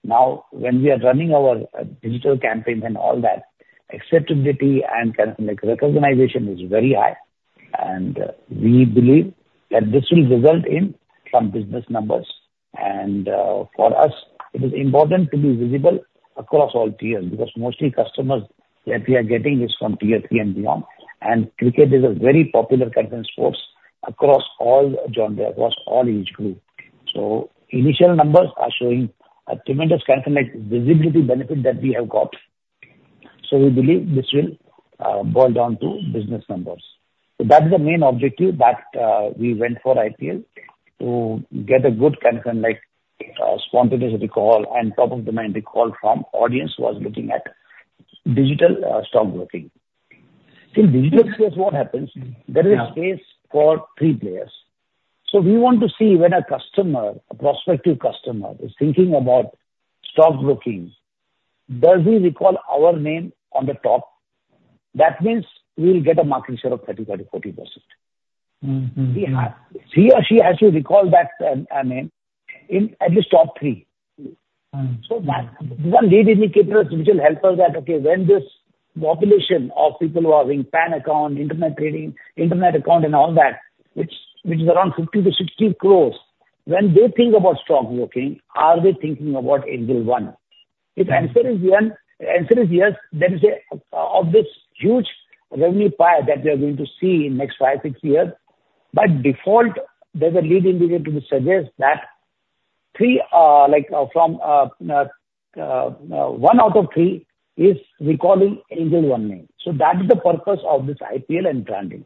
C: now when we are running our digital campaigns and all that, acceptability and kind of like recognition is very high, and we believe that this will result in some business numbers. For us, it is important to be visible across all tiers, because mostly customers that we are getting is from tier three and beyond. Cricket is a very popular kind of sports across all genre, across all age group. So initial numbers are showing a tremendous kind of, like, visibility benefit that we have got. So we believe this will boil down to business numbers. So that is the main objective that we went for IPL, to get a good kind of, like, spontaneous recall and top of the mind recall from audience who was looking at digital stockbroking. In digital space, what happens?
H: Yeah.
C: There is space for three players. So we want to see when a customer, a prospective customer, is thinking about stockbroking, does he recall our name on the top? That means we'll get a market share of 30%, 40%, 40%. He or she has to recall that name in at least top three. So that one lead indicator, which will help us that, okay, when this population of people who are having PAN account, internet trading, internet account an d all that, which is around 50-60 crores, when they think about stockbroking, are they thinking about Angel One? If answer is yes, there is a of this huge revenue pie that we are going to see in next five, six years, by default, there's a lead indicator to suggest that three, like, from one out of three is recalling Angel One name. So that is the purpose of this IPL and branding.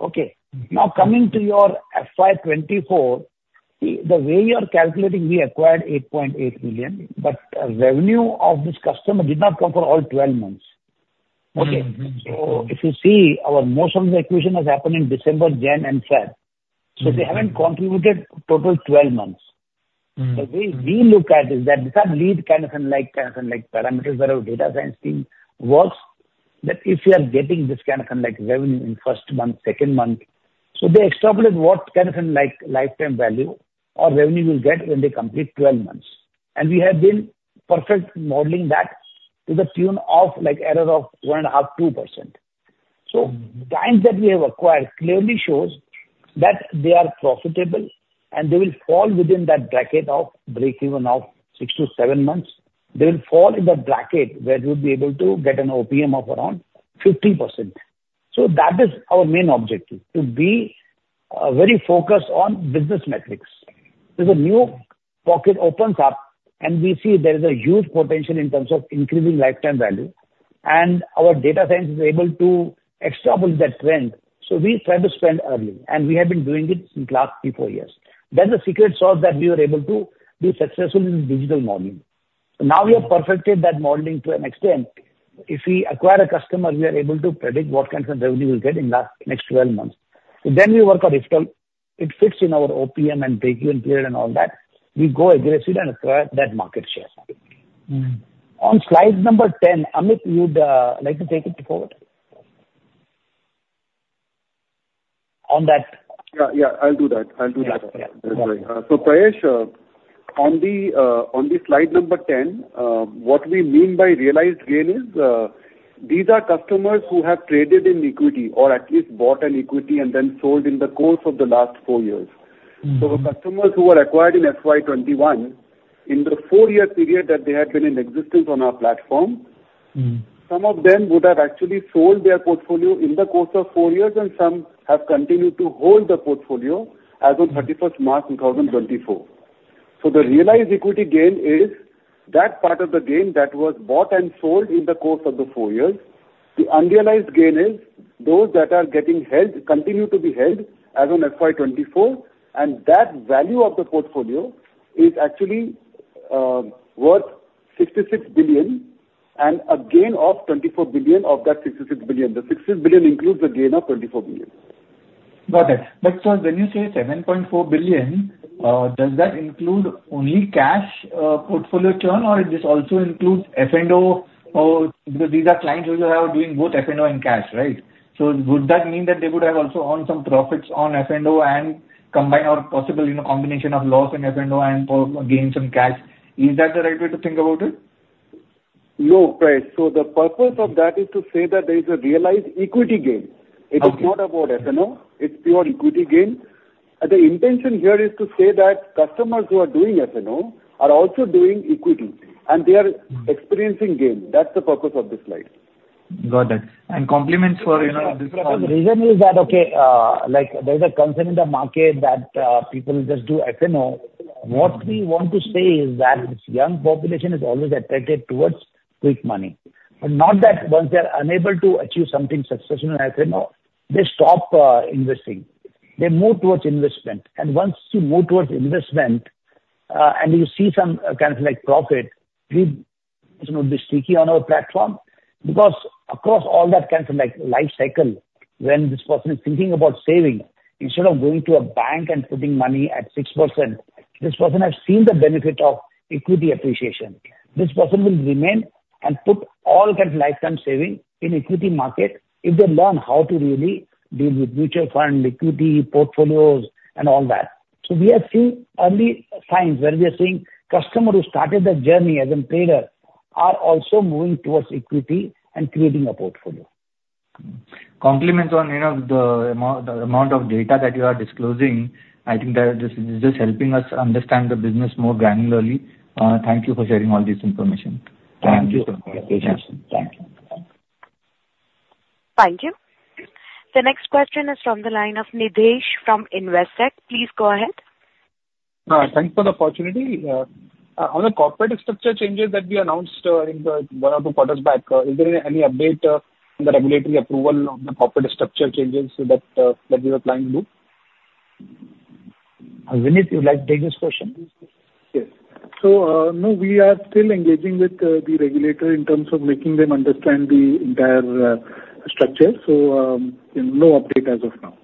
C: Okay. Now, coming to your FY 2024, the way you are calculating, we acquired 8.8 million, but revenue of this customer did not come for all 12 months. Okay? If you see, our most of the acquisition has happened in December, January, and February. They haven't contributed total 12 months. So the way we look at it is that some lead kind of like, kind of like, parameters where our data science team works, that if you are getting this kind of, like, revenue in first month, second month, so they extrapolate what kind of, like, lifetime value or revenue you'll get when they complete 12 months. And we have been perfect modeling that to the tune of, like, error of 1.5%-2%. So clients that we have acquired clearly shows that they are profitable, and they will fall within that bracket of break even of 6-7 months. They will fall in the bracket where you'll be able to get an OPM of around 50%. So that is our main objective, to be very focused on business metrics. If a new pocket opens up and we see there is a huge potential in terms of increasing lifetime value, and our data science is able to extrapolate that trend, so we try to spend early, and we have been doing it in last three, four years. That's the secret sauce that we were able to be successful in digital modeling. Now, we have perfected that modeling to an extent; if we acquire a customer, we are able to predict what kinds of revenue we'll get in the next 12 months. So then we work our digital. It fits in our OPM and break-even period and all that. We go aggressive and acquire that market share. On slide number 10, Amit, you'd like to take it forward? On that.
F: Yeah, yeah, I'll do that. I'll do that.
C: Yeah. Yeah.
F: That's right. So Prayesh, on the slide number 10, what we mean by realized gain is, these are customers who have traded in equity or at least bought an equity and then sold in the course of the last four years. The customers who were acquired in FY 2021, in the four-year period that they had been in existence on our platform- Some of them would have actually sold their portfolio in the course of four years, and some have continued to hold the portfolio as of 31 March 2024. So the realized equity gain is that part of the gain that was bought and sold in the course of the four years. The unrealized gain is those that are getting held, continue to be held as on FY 2024, and that value of the portfolio is actually worth 66 billion and a gain of 24 billion of that 66 billion. The 66 billion includes the gain of 24 billion.
H: Got it. But sir, when you say 7.4 billion, does that include only cash, portfolio churn, or this also includes F&O? Or because these are clients who are doing both F&O and cash, right? So would that mean that they would have also owned some profits on F&O and combine or possible, you know, combination of loss in F&O and for, gain some cash? Is that the right way to think about it?
F: No, Prayesh. So the purpose of that is to say that there is a realized equity gain.
H: Okay.
F: It is not about F&O. It's pure equity gain. The intention here is to say that customers who are doing F&O are also doing equity, and they are experiencing gain. That's the purpose of this slide.
H: Got it. And compliments for, you know, this-
C: The reason is that, okay, like, there's a concern in the market that, people just do F&O. What we want to say is that this young population is always attracted towards quick money, but not that once they are unable to achieve something successful in F&O, they stop, investing. They move towards investment, and once you move towards investment, and you see some kind of, like, profit, we, you know, be sticky on our platform. Because across all that kind of, like, life cycle, when this person is thinking about saving, instead of going to a bank and putting money at 6%, this person has seen the benefit of equity appreciation. This person will remain and put all kind of lifetime saving in equity market if they learn how to really deal with mutual fund, equity, portfolios and all that. We are seeing early signs where we are seeing customer who started the journey as a trader are also moving towards equity and creating a portfolio.
H: Compliments on, you know, the amount of data that you are disclosing. I think that this is just helping us understand the business more granularly. Thank you for sharing all this information.
C: Thank you.
H: Thank you.
A: Thank you. The next question is from the line of Nidhesh from Investec. Please go ahead.
I: Thank you for the opportunity. On the corporate structure changes that we announced in the one or two quarters back, is there any update on the regulatory approval on the corporate structure changes so that we are planning to do?
C: Vineet, you'd like to take this question?
D: Yes. So, no, we are still engaging with the regulator in terms of making them understand the entire structure. So, no update as of now.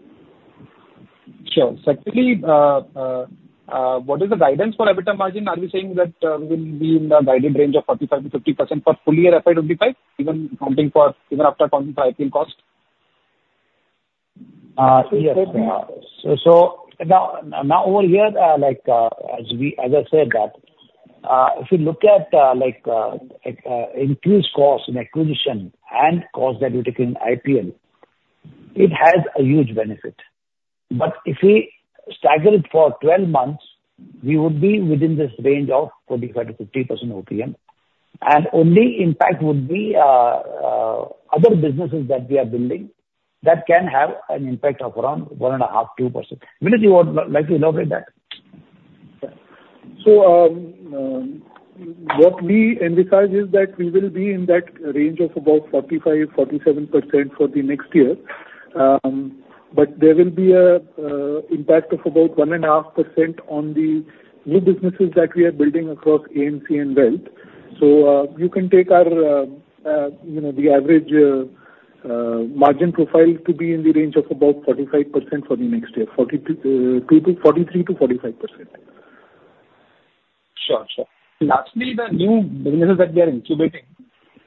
I: Sure. Secondly, what is the guidance for EBITDA margin? Are we saying that we will be in the guided range of 45%-50% for full year FY 2025, even accounting for, even after accounting for IPL cost?
C: Yes. So now over here, like, as we... As I said that, if you look at, like, increased cost in acquisition and cost that we take in IPL, it has a huge benefit. But if we stagger it for 12 months, we would be within this range of 45%-50% OPM, and only impact would be, other businesses that we are building that can have an impact of around 1.5%-2%. Vineet, you would like to elaborate that?
D: So, what we emphasize is that we will be in that range of about 45%-47% for the next year. But there will be a impact of about 1.5% on the new businesses that we are building across AMC and Wealth. So, you can take our, you know, the average, margin profile to be in the range of about 45% for the next year, 42%, 43% to 45%.
I: Sure. Sure. Lastly, the new businesses that we are incubating,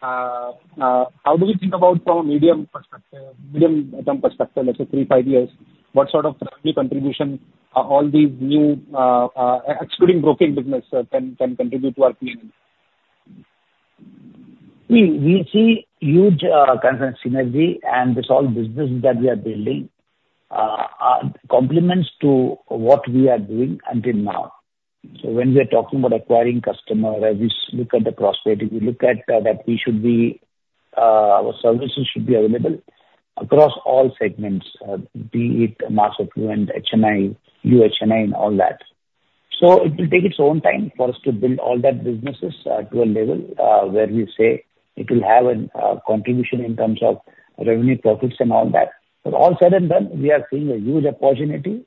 I: how do we think about from a medium perspective, medium term perspective, let's say three, five years? What sort of revenue contribution are all these new, excluding broking business, can contribute to our P&L?
C: We see huge, kind of, synergy, and this all businesses that we are building, complements to what we are doing until now. So when we are talking about acquiring customer, as we look at the cross-selling, we look at that we should be our services should be available across all segments, be it mass affluent, HNI, UHNI and all that. So it will take its own time for us to build all that businesses to a level where we say it will have an contribution in terms of revenue, profits and all that. But all said and done, we are seeing a huge opportunity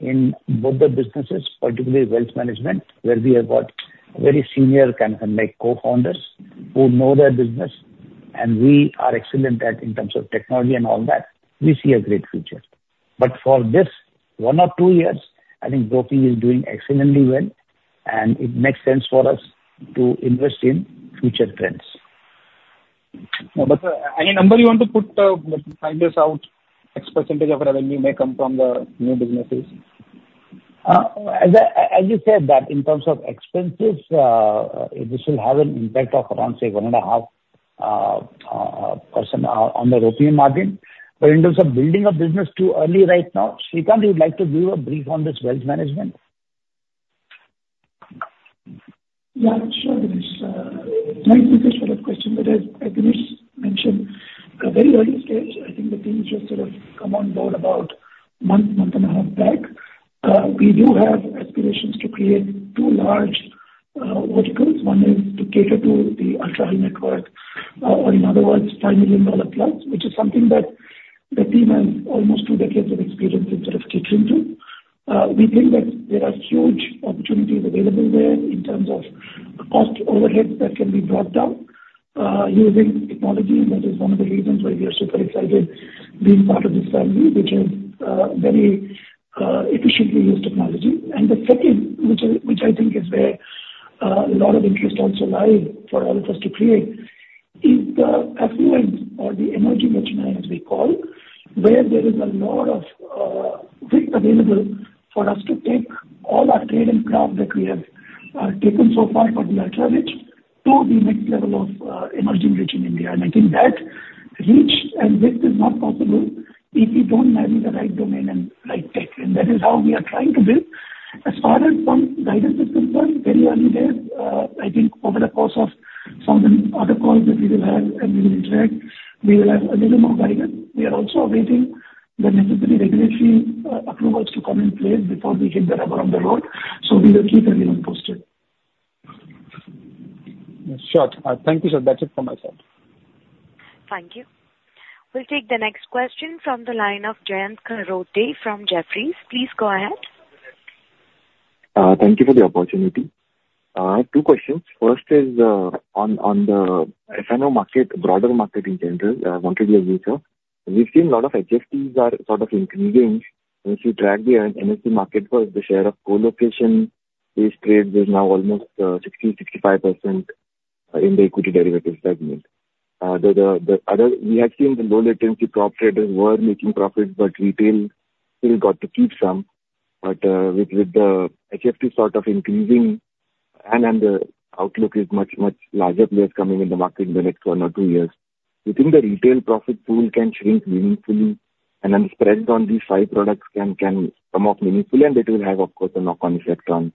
C: in both the businesses, particularly wealth management, where we have got very senior kind of like co-founders who know their business. We are excellent at in terms of technology and all that. We see a great future. But for this one or two years, I think broking is doing exceedingly well, and it makes sense for us to invest in future trends.
I: No, but, any number you want to put, let me find this out, X% of revenue may come from the new businesses?
C: As I, as you said that in terms of expenses, this will have an impact of around, say, 1.5% on the OP margin. But in terms of building a business, too early right now. Srikanth, you would like to give a brief on this wealth management?
J: Yeah, sure, Dinesh. Thank you for the question. But as Dinesh mentioned, a very early stage, I think the team has just sort of come on board about a month, month and a half back. We do have aspirations to create two large verticals. One is to cater to the ultra-high net worth, or in other words, $5 million plus, which is something that the team has almost two decades of experience in sort of catering to. We think that there are huge opportunities available there in terms of cost overheads that can be brought down, using technology, and that is one of the reasons why we are super excited being part of this family, which is very efficiently use technology. And the second, which I think is where a lot of interest also lie for all of us to create, is the affluent or the emerging rich men, as we call, where there is a lot of width available for us to take all our trade and craft that we have taken so far for the ultra-rich to the next level of emerging rich in India. And I think that reach and width is not possible if we don't marry the right domain and right tech, and that is how we are trying to build. As far as some guidance is concerned, very early days. I think over the course of some of the other calls that we will have and we will interact, we will have a little more guidance. We are also awaiting the necessary regulatory approvals to come in place before we hit the rubber on the road, so we will keep everyone posted.
I: Sure. Thank you, sir. That's it from my side.
A: Thank you. We'll take the next question from the line of Jayant Kharote from Jefferies. Please go ahead.
K: Thank you for the opportunity. Two questions. First is on the F&O market, broader market in general, wanted your view, sir. We've seen a lot of HFTs are sort of increasing. If you track the NSE market, where the share of co-location is trade is now almost 60%-65% in the equity derivatives segment. The other... We have seen the low latency prop traders were making profits, but retail still got to keep some. But with the HFT sort of increasing and the outlook is much larger players coming in the market in the next one or two years, do you think the retail profit pool can shrink meaningfully and then spread on these five products can come off meaningfully, and it will have, of course, a knock-on effect on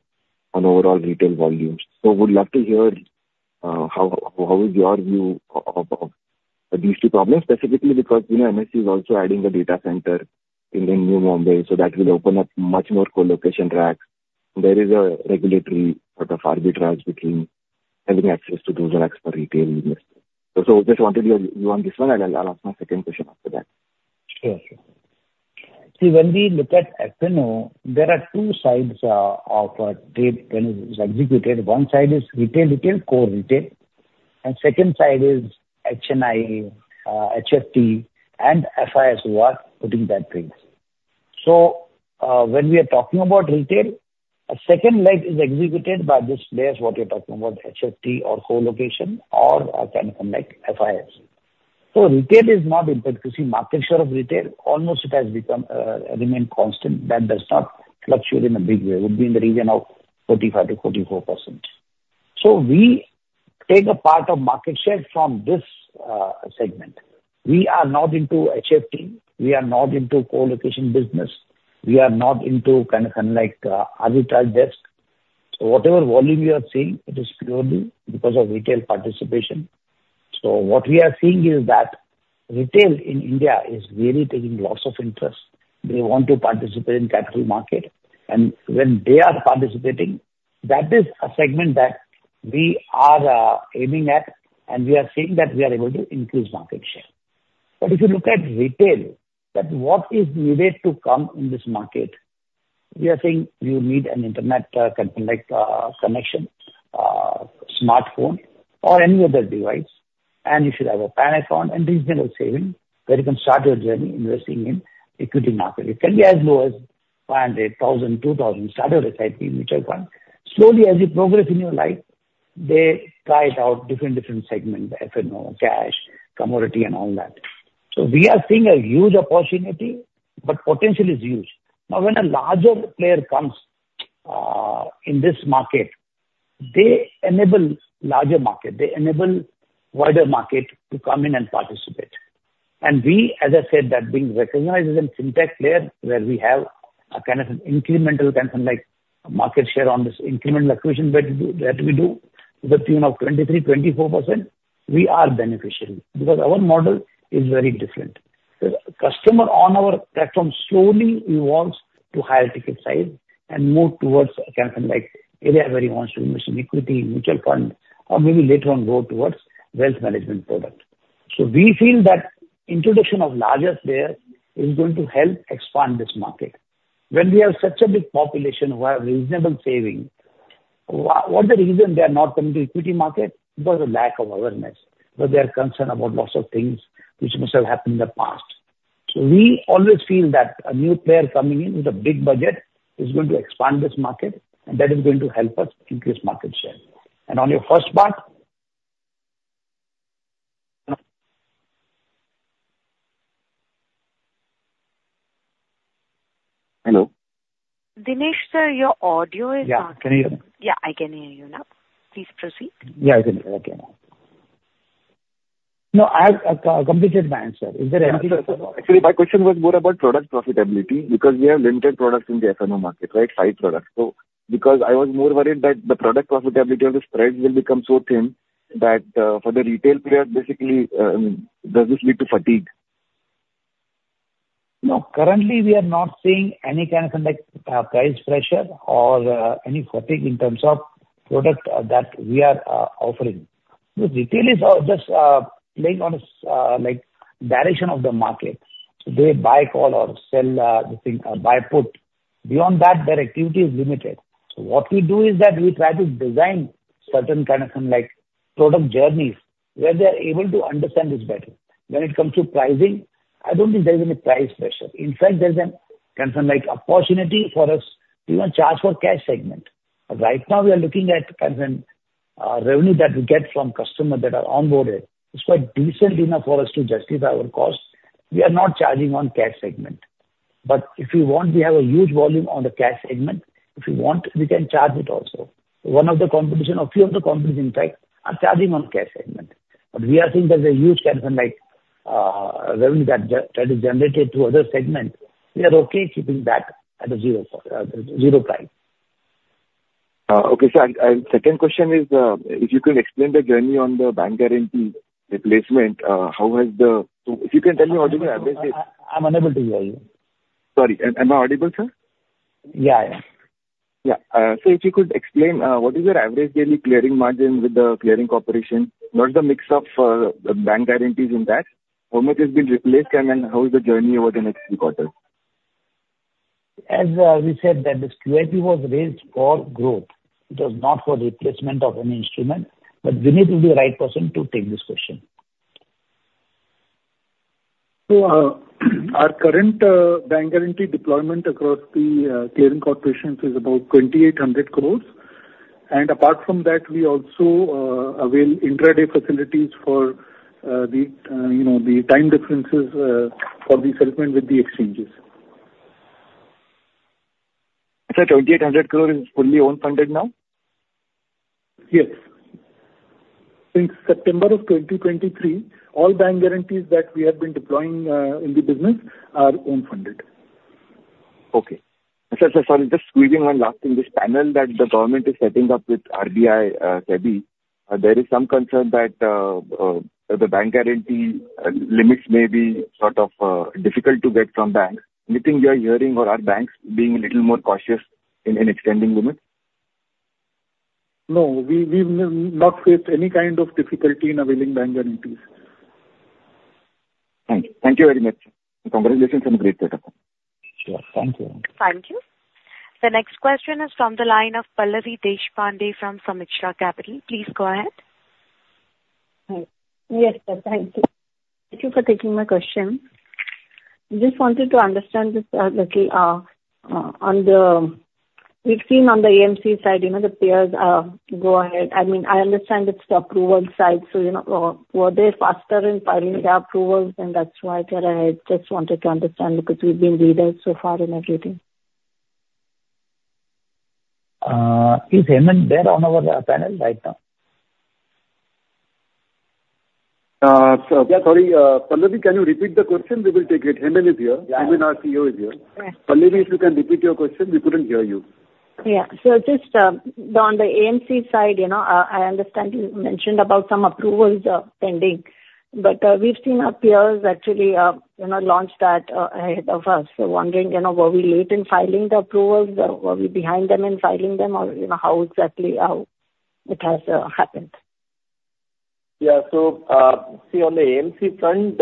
K: overall retail volumes? So would love to hear how your view of these two problems? Specifically because, you know, NSE is also adding a data center in Navi Mumbai, so that will open up much more co-location racks. There is a regulatory sort of arbitrage between having access to those racks for retail investors. So just wanted your view on this one, and I'll ask my second question after that.
C: Sure, sure. See, when we look at F&O, there are two sides, of a trade when it is executed. One side is retail, retail, core retail, and second side is HNI, HFT, and FIs who are putting that trade. So, when we are talking about retail, a second leg is executed by this players, what you're talking about, HFT or co-location or, kind of like FIs. So retail is not impacted. You see, market share of retail, almost it has become, remained constant. That does not fluctuate in a big way, would be in the region of 45%-44%. So we take a part of market share from this, segment. We are not into HFT. We are not into co-location business. We are not into kind of unlike, arbitrage desk. So whatever volume you are seeing, it is purely because of retail participation. So what we are seeing is that retail in India is really taking lots of interest. They want to participate in capital market, and when they are participating, that is a segment that we are aiming at, and we are seeing that we are able to increase market share. But if you look at retail, that what is needed to come in this market, we are saying you need an internet kind of like connection, smartphone or any other device, and you should have a PAN card and reasonable saving, where you can start your journey investing in equity market. It can be as low as 500, 1,000, 2,000, start a SIP, mutual fund. Slowly, as you progress in your life, they try out different, different segment, the F&O, cash, commodity and all that. So we are seeing a huge opportunity, but potential is huge. Now, when a larger player comes in this market, they enable larger market, they enable wider market to come in and participate. And we, as I said, that being recognized as a fintech player, where we have a kind of incremental, kind of like market share on this incremental acquisition that we, that we do to the tune of 23%-24%, we are beneficial because our model is very different. The customer on our platform slowly evolves to higher ticket size and more towards a kind of like area where he wants to invest in equity, mutual fund, or maybe later on go towards wealth management product. So we feel that introduction of larger player is going to help expand this market. When we have such a big population who have reasonable savings... What, what the reason they are not coming to equity market? Because of lack of awareness. But they are concerned about lots of things which must have happened in the past. So we always feel that a new player coming in with a big budget is going to expand this market, and that is going to help us increase market share. And on your first part? Hello?
A: Dinesh, sir, your audio is not-
C: Yeah. Can you hear me?
A: Yeah, I can hear you now. Please proceed.
C: Yeah, I can. Okay. No, I have completed my answer. Is there anything-
K: Actually, my question was more about product profitability, because we have limited products in the F&O market, right? Five products. So because I was more worried that the product profitability of the spreads will become so thin that, for the retail player, basically, does this lead to fatigue?
C: No, currently we are not seeing any kind of like, price pressure or, any fatigue in terms of product, that we are, offering. The retailers are just, playing on, like, direction of the market, so they buy call or sell, the thing, or buy put. Beyond that, their activity is limited. So what we do is that we try to design certain kind of some like product journeys, where they are able to understand this better. When it comes to pricing, I don't think there is any price pressure. In fact, there's an kind of like opportunity for us to even charge for cash segment. Right now, we are looking at kind of an, revenue that we get from customers that are onboarded. It's quite decent enough for us to justify our costs. We are not charging on cash segment. But if you want, we have a huge volume on the cash segment. If you want, we can charge it also. One of the competition or few of the companies, in fact, are charging on cash segment. But we are seeing there's a huge kind of like, revenue that is generated through other segments. We are okay keeping that at a zero, zero price.
K: Okay. So I, second question is, if you could explain the journey on the bank guarantee replacement, how has the... If you can tell me what is the average-
C: I'm unable to hear you.
K: Sorry, am I audible, sir?
C: Yeah, yeah.
K: Yeah. So if you could explain what is your average daily clearing margin with the clearing corporation? What is the mix of bank guarantees in that? How much has been replaced, and then how is the journey over the next few quarters?
C: As we said that this QIP was raised for growth, it was not for replacement of any instrument, but Vineet will be the right person to take this question.
D: So, our current bank guarantee deployment across the clearing corporations is about 2,800 crore. Apart from that, we also avail intraday facilities for you know, the time differences for the settlement with the exchanges.
K: Sir, 2,800 crore is fully own funded now?
D: Yes. Since September 2023, all bank guarantees that we have been deploying, in the business are own funded.
K: Okay. Sir, sir, sorry, just squeezing one last thing. This panel that the government is setting up with RBI, SEBI, there is some concern that, the bank guarantee, limits may be sort of, difficult to get from banks. Anything we are hearing, or are banks being a little more cautious in, in extending limits?
D: No, we've not faced any kind of difficulty in availing bank guarantees.
K: Thank you. Thank you very much. Congratulations on a great set up.
D: Sure. Thank you.
A: Thank you. The next question is from the line of Pallavi Deshpande from Sameeksha Capital. Please go ahead.
L: Yes, sir. Thank you. Thank you for taking my question. Just wanted to understand this little on the. We've seen on the AMC side, you know, the peers go ahead. I mean, I understand it's the approval side, so, you know, were they faster in filing their approvals, and that's why? That I just wanted to understand, because we've been leaders so far in everything.
F: Is Hemen there on our panel right now?
M: So, yeah, sorry, Pallavi, can you repeat the question? We will take it. Hemen is here.
C: Yeah. Hemen, our CEO, is here.
L: Right.
C: Pallavi, if you can repeat your question. We couldn't hear you.
L: Yeah. So just, on the AMC side, you know, I understand you mentioned about some approvals are pending, but, we've seen our peers actually, you know, launch that, ahead of us. So wondering, you know, were we late in filing the approvals? Were we behind them in filing them? Or, you know, how exactly, it has happened?
M: Yeah. So, see, on the AMC front,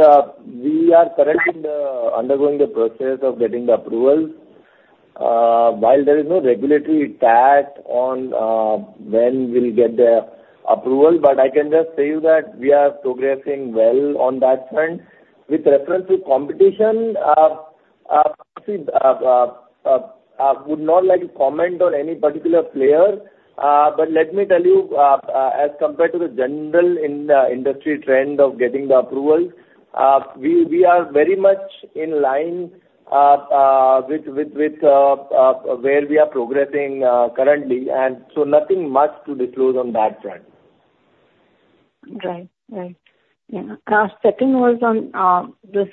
M: we are currently in the, undergoing the process of getting the approvals. While there is no regulatory timeline on when we'll get the approval, but I can just tell you that we are progressing well on that front. With reference to competition, see, I would not like to comment on any particular player, but let me tell you, as compared to the general industry trend of getting the approvals, we are very much in line with where we are progressing currently, and so nothing much to disclose on that front.
L: Right. Right. Yeah. Second was on this,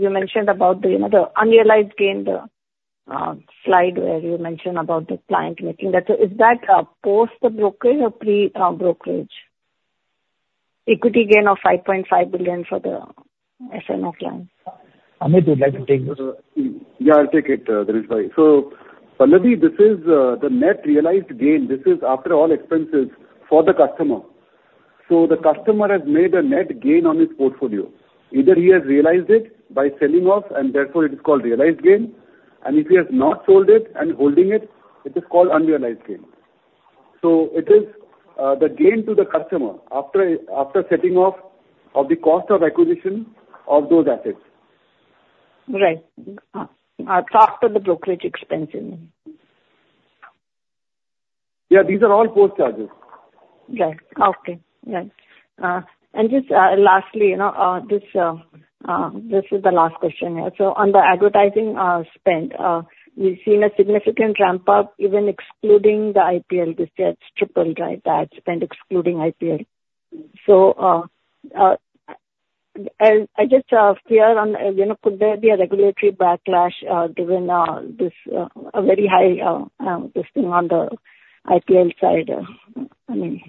L: you mentioned about the, you know, the unrealized gain, the slide where you mentioned about the client making that. So is that post the brokerage or pre brokerage? Equity gain of 5.5 billion for the F&O clients.
D: Amit, you'd like to take this?
F: Yeah, I'll take it, Vineet. So, Pallavi, this is the net realized gain. This is after all expenses for the customer... So the customer has made a net gain on his portfolio. Either he has realized it by selling off, and therefore it is called realized gain, and if he has not sold it and holding it, it is called unrealized gain. So it is, the gain to the customer after setting off of the cost of acquisition of those assets.
L: Right. So after the brokerage expense then?
F: Yeah, these are all post charges.
L: Right. Okay, right. And just lastly, you know, this is the last question here. So on the advertising spend, we've seen a significant ramp up, even excluding the IPL this year. It's tripled, right, the ad spend excluding IPL. So, I just clear on, you know, could there be a regulatory backlash, given this a very high listing on the IPL side? I mean.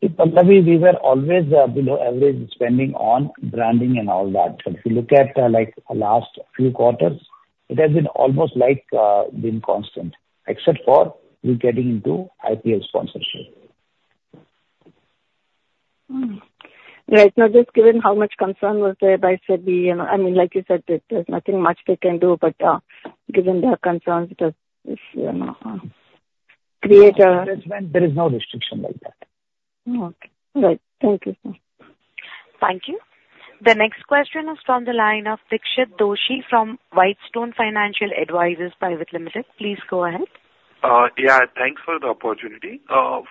C: See, Pallavi, we were always below average spending on branding and all that. But if you look at, like last few quarters, it has been almost like been constant, except for we getting into IPL sponsorship.
L: Hmm. Right. No, just given how much concern was there by SEBI, you know, I mean, like you said, that there's nothing much they can do, but given their concerns, it does, you know, create a-
C: There is no restriction like that.
L: Okay. Right. Thank you, sir.
A: Thank you. The next question is from the line of Dixit Doshi from Whitestone Financial Advisors Private Limited. Please go ahead.
N: Yeah, thanks for the opportunity.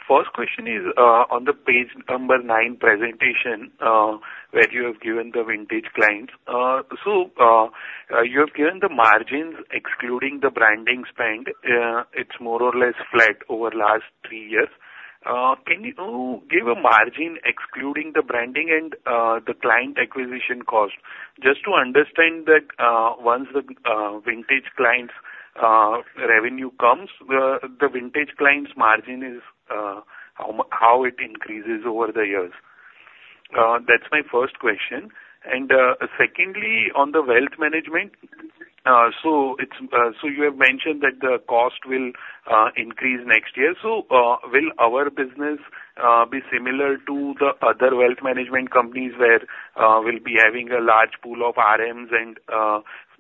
N: First question is on the page number nine presentation, where you have given the vintage clients. So, you have given the margins excluding the branding spend. It's more or less flat over last nine years. Can you give a margin excluding the branding and the client acquisition cost? Just to understand that, once the vintage clients' revenue comes, the vintage clients' margin is how it increases over the years. That's my first question. And secondly, on the wealth management, so you have mentioned that the cost will increase next year. So, will our business be similar to the other wealth management companies where we'll be having a large pool of RMs and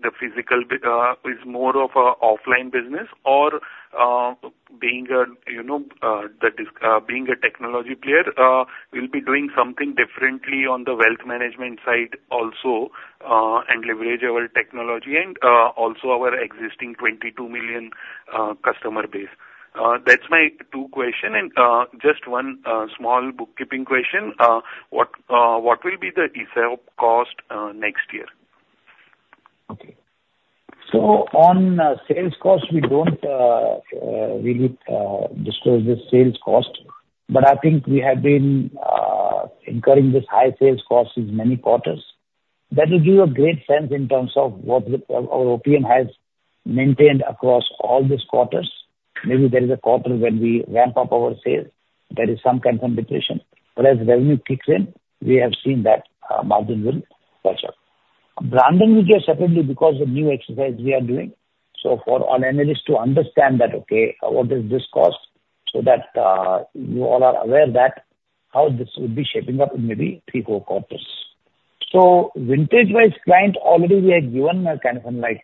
N: the physical is more of an offline business? Or, being a, you know, being a technology player, we'll be doing something differently on the wealth management side also, and leverage our technology and also our existing 22 million customer base. That's my second question. Just one small bookkeeping question. What will be the development cost next year?
C: Okay. So on sales cost, we don't really disclose the sales cost, but I think we have been incurring these high sales costs in many quarters. That will give you a great sense in terms of what our OPM has maintained across all these quarters. Maybe there is a quarter when we ramp up our sales, there is some kind of depreciation, but as revenue kicks in, we have seen that margin will catch up. Branding we gave separately because of new exercise we are doing. So for our analysts to understand that, okay, what is this cost? So that you all are aware that how this would be shaping up in maybe three, four quarters. So vintage-wise client, already we have given a kind of like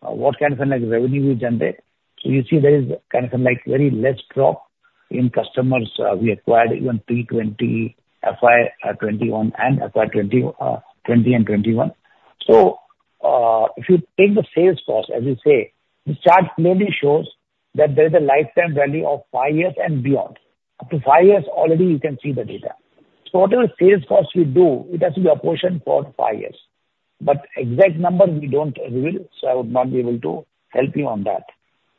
C: what kind of like revenue we generate. So you see there is kind of like very less drop in customers, we acquired even pre-2020, FY 2021 and acquired 2020 and 2021. So, if you take the sales force, as you say, the chart mainly shows that there is a lifetime value of five years and beyond. Up to five years, already you can see the data. So whatever sales force we do, it has to be apportioned for five years, but exact number, we don't reveal, so I would not be able to help you on that.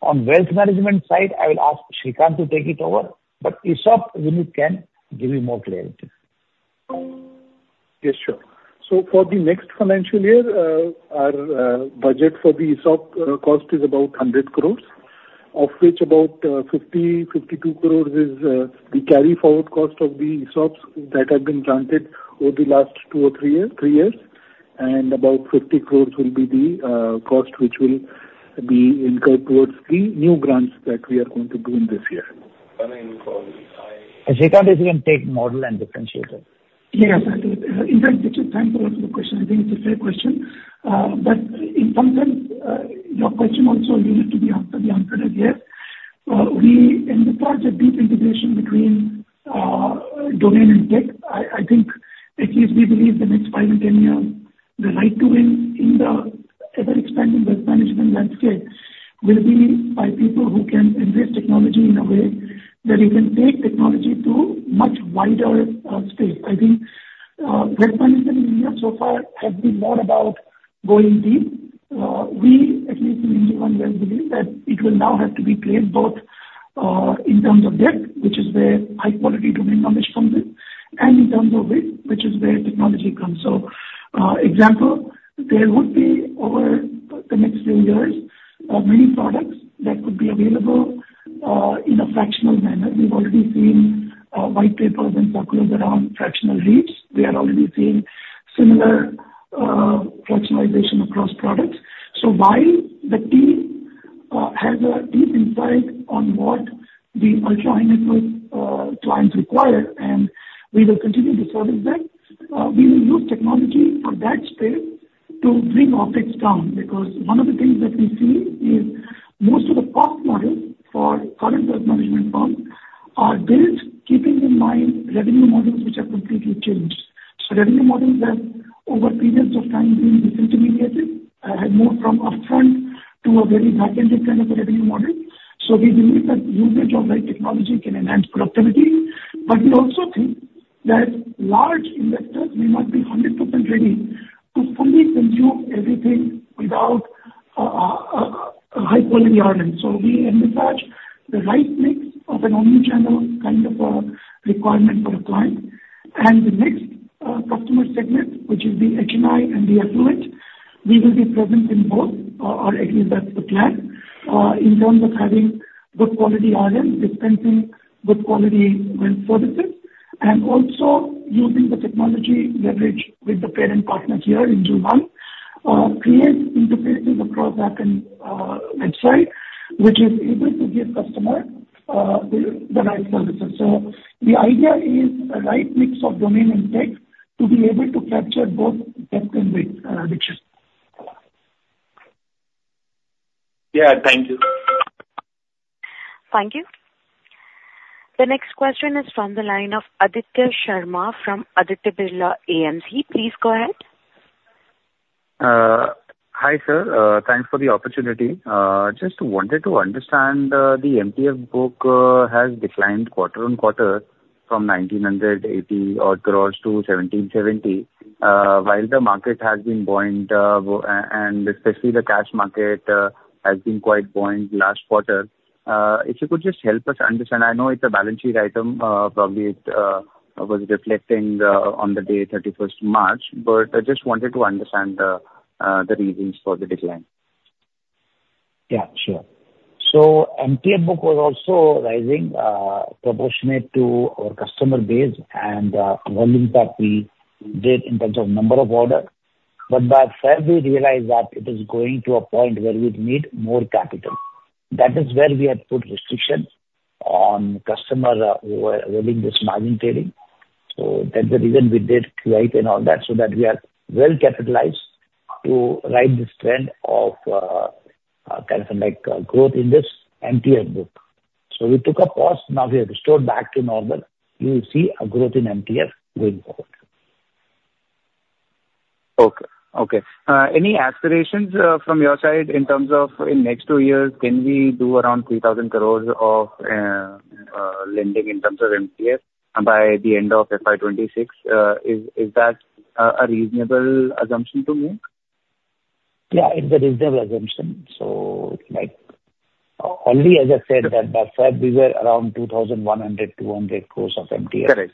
C: On wealth management side, I will ask Srikanth to take it over, but ESOPs unit can give you more clarity.
D: Yes, sure. So for the next financial year, our budget for the ESOPs cost is about INR 100 crore, of which about 52 crore is the carry-forward cost of the ESOPs that have been granted over the last two or three years. And about 50 crore will be the cost, which will be incurred towards the new grants that we are going to do in this year.
N: I mean,
C: Srikanth, if you can take model and differentiate it.
J: Yes, absolutely. In fact, thank you for the question. I think it's a fair question. But in some sense, your question also related to the answer, the answer is yes. We encourage a deep integration between domain and tech. I think, at least we believe the next five to 10 years, the right to win in the ever-expanding wealth management landscape will be by people who can embrace technology in a way that we can take technology to much wider space. I think, wealth management in India so far has been more about going deep. We, at least in India, well, believe that it will now have to be played both in terms of depth, which is where high quality domain knowledge comes in, and in terms of width, which is where technology comes. So, for example, there would be over the next few years, many products that could be available in a fractional manner. We've already seen white papers and circulars around fractional REITs. We are already seeing similar fractionalization across products. So while the team has a deep insight on what the ultra high net worth clients require, and we will continue to service that. We will use technology for that space to bring OPEX down, because one of the things that we see is most of the cost models for current wealth management firms are built keeping in mind revenue models which have completely changed. So revenue models have, over periods of time, been disintermediated and moved from upfront to a very back-ended kind of a revenue model. So we believe that usage of right technology can enhance productivity. But we also think that large investors may not be 100% ready to fully consume everything without a high quality RM. So we envisage the right mix of an omni-channel kind of requirement for a client. And the next customer segment, which is the HNI and the affluent, we will be present in both, or, or at least that's the plan. In terms of having good quality RMs dispensing good quality services, and also using the technology leverage with the parent partners here in Juhu, create interfaces across backend and website, which is able to give customer the, the right services. So the idea is a right mix of domain and tech to be able to capture both depth and width, addition.
N: Yeah. Thank you.
A: Thank you. The next question is from the line of Aditya Sharma from Aditya Birla AMC. Please go ahead.
O: Hi, sir. Thanks for the opportunity. Just wanted to understand, the MTF book has declined quarter-on-quarter from 1,980-odd crore to 1,770 crore, while the market has been buoyant, and especially the cash market has been quite buoyant last quarter. If you could just help us understand. I know it's a balance sheet item, probably it was reflecting on the day, March 31st, but I just wanted to understand the reasons for the decline.
C: Yeah, sure. So MTF book was also rising, proportionate to our customer base and, volumes that we did in terms of number of orders. But by Feb, we realized that it is going to a point where we would need more capital. That is where we had put restrictions on customer, who were holding this margin trading. So that's the reason we did QIP and all that, so that we are well capitalized to ride this trend of, kind of like, growth in this MTF book. So we took a pause. Now we have restored back to normal. You will see a growth in MTF going forward.
O: Okay. Okay. Any aspirations from your side in terms of in next two years, can we do around 3,000 crore of lending in terms of MTF by the end of FY 2026? Is that a reasonable assumption to make?
C: Yeah, it's a reasonable assumption. So, like, only as I said, that by February we were around 2,100 crore, 200 crore of MTF.
O: Correct.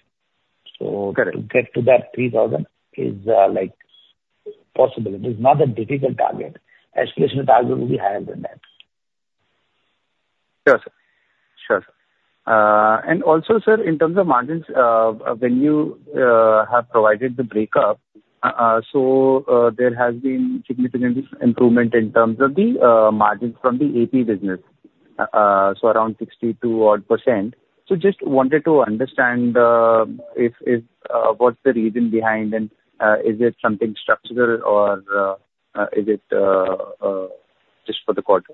C: So-
O: Correct.
C: - to get to that 3,000 is, like, possible. It is not a difficult target. Aspiration target will be higher than that.
O: Sure, sir. Sure, sir. And also, sir, in terms of margins, when you have provided the breakup, so there has been significant improvement in terms of the margins from the AP business, so around 62 odd%. So just wanted to understand, if, if, what's the reason behind and, is it something structural or, is it, just for the quarter?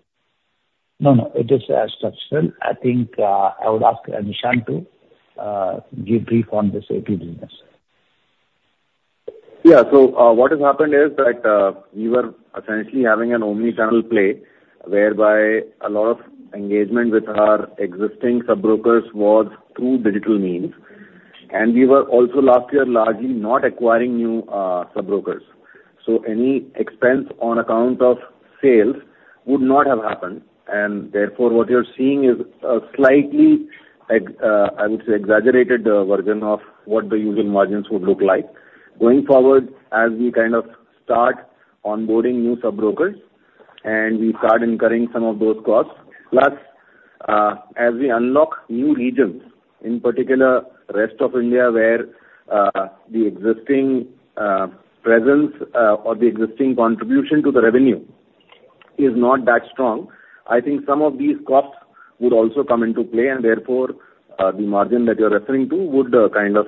C: No, no, it is structural. I think I would ask Nishant to debrief on this AP business.
P: Yeah. So, what has happened is that, we were essentially having an omnichannel play, whereby a lot of engagement with our existing sub-brokers was through digital means. And we were also last year largely not acquiring new, sub-brokers. So any expense on account of sales would not have happened, and therefore, what you're seeing is a slightly, I would say, exaggerated, version of what the usual margins would look like. Going forward, as we kind of start onboarding new sub-brokers and we start incurring some of those costs, plus, as we unlock new regions, in particular, rest of India where the existing presence or the existing contribution to the revenue is not that strong, I think some of these costs would also come into play, and therefore, the margin that you're referring to would kind of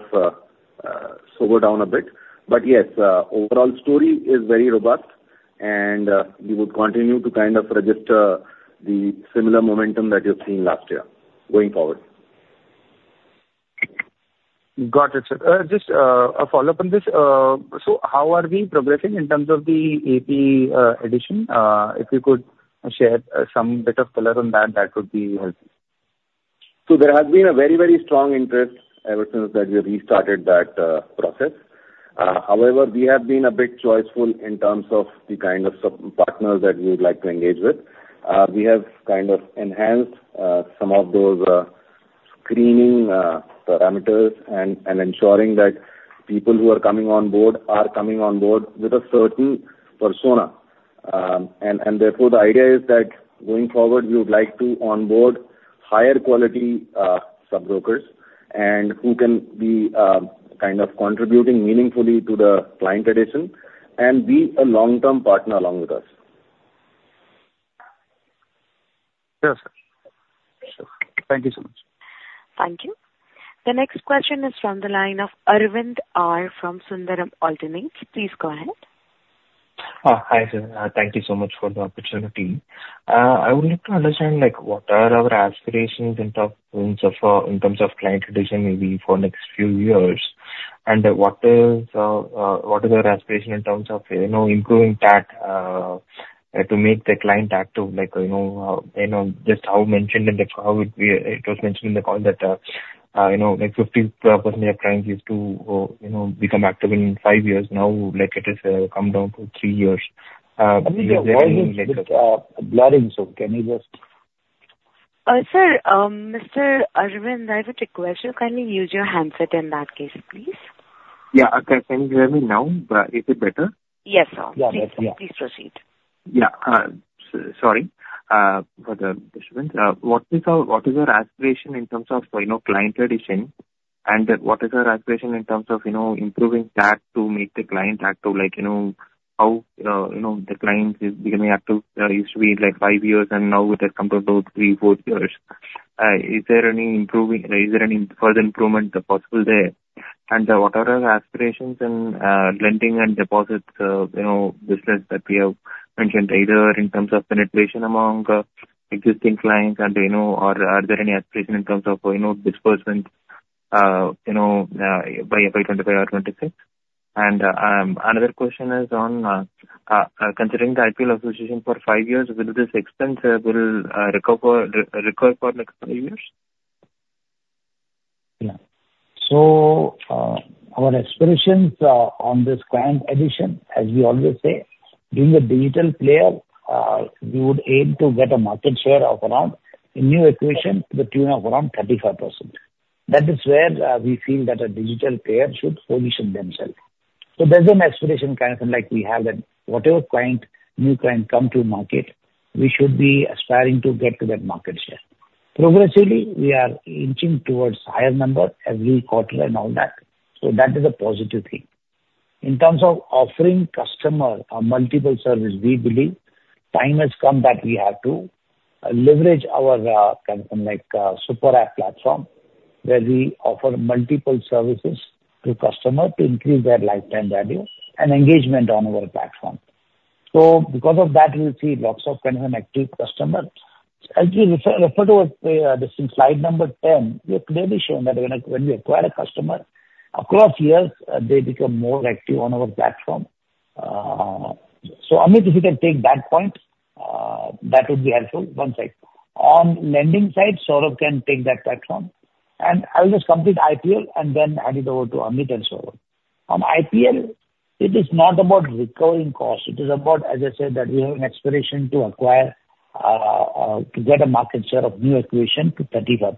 P: slow down a bit. But yes, overall story is very robust, and we would continue to kind of register the similar momentum that you've seen last year going forward.
O: Got it, sir. Just, a follow-up on this. So how are we progressing in terms of the AP, addition? If you could share, some bit of color on that, that would be helpful.
P: So there has been a very, very strong interest ever since that we restarted that process. However, we have been a bit choiceful in terms of the kind of sub-partners that we would like to engage with. We have kind of enhanced some of those screening parameters and ensuring that people who are coming on board are coming on board with a certain persona. And therefore, the idea is that going forward, we would like to onboard higher quality sub-brokers and who can be kind of contributing meaningfully to the client addition and be a long-term partner along with us.
O: Yes, sir. Thank you so much.
A: Thank you. The next question is from the line of Aravind R. from Sundaram Alternates. Please go ahead.
Q: Hi, sir. Thank you so much for the opportunity. I would like to understand, like, what are our aspirations in terms of, in terms of client addition, maybe for next few years? What is your aspiration in terms of, you know, improving that, to make the client active, like, you know, you know, just how mentioned in the, how it, it was mentioned in the call that, you know, like 50% of clients used to, you know, become active in five years. Now, like it has, come down to three years,
C: Your voice is blurring, so can you just-
A: Sir, Mr. Aravind, there is a request, you kindly use your handset in that case, please.
Q: Yeah. Okay. Can you hear me now? Is it better?
A: Yes, sir.
C: Yeah, better.
A: Please proceed.
Q: Yeah. Sorry for the disturbance. What is our, what is our aspiration in terms of, you know, client addition? And then what is our aspiration in terms of, you know, improving that to make the client active, like, you know, how, you know, the clients is becoming active, used to be like five years, and now it has come down to three, four years. Is there any improving. Is there any further improvement possible there? And, what are our aspirations in, lending and deposits, you know, business that we have mentioned, either in terms of penetration among, existing clients and, you know, or are there any aspiration in terms of, you know, disbursement, you know, by FY 2025 or 2026? Another question is on considering the IPL association for five years, will this expense recover for next five years?
C: Yeah. So, our aspirations on this client acquisition, as we always say, being a digital player, we would aim to get a market share of around, in new acquisition, to the tune of around 35%. That is where we feel that a digital player should position themselves. So there's an aspiration, kind of like we have, that whatever client, new client come to market, we should be aspiring to get to that market share. Progressively, we are inching towards higher number every quarter and all that, so that is a positive thing. In terms of offering customer a multiple service, we believe time has come that we have to leverage our, kind of like, super app platform, where we offer multiple services to customer to increase their lifetime value and engagement on our platform. So because of that, we'll see lots of kind of an active customer. As we refer to this in slide number 10, we have clearly shown that when we acquire a customer, across years, they become more active on our platform. So, Amit, if you can take that point, that would be helpful. One sec. On lending side, Saurabh can take that platform. And I'll just complete IPL and then hand it over to Amit and Saurabh. On IPL, it is not about recovering costs, it is about, as I said, that we have an aspiration to acquire to get a market share of new acquisition to 35%.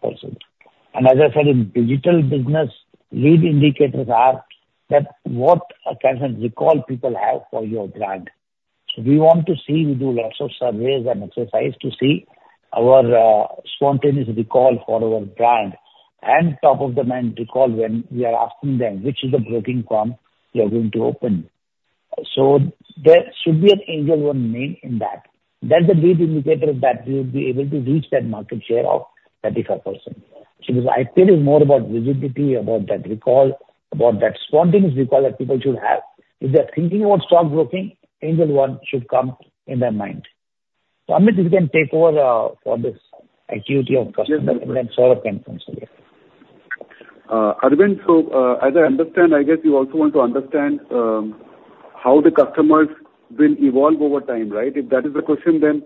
C: And as I said, in digital business, lead indicators are that what a kind of recall people have for your brand. So we want to see, we do lots of surveys and exercises to see our spontaneous recall for our brand and top of the mind recall when we are asking them: Which is the broking firm you are going to open? So there should be an Angel One name in that. That's a big indicator that we will be able to reach that market share of 35%. So, the IPL is more about visibility, about that recall, about that spontaneous recall that people should have. If they are thinking about stockbroking, Angel One should come in their mind. So, Amit, if you can take over for this activity of customer, and Saurabh can come later.
F: Aravind, so, as I understand, I guess you also want to understand how the customers will evolve over time, right? If that is the question, then,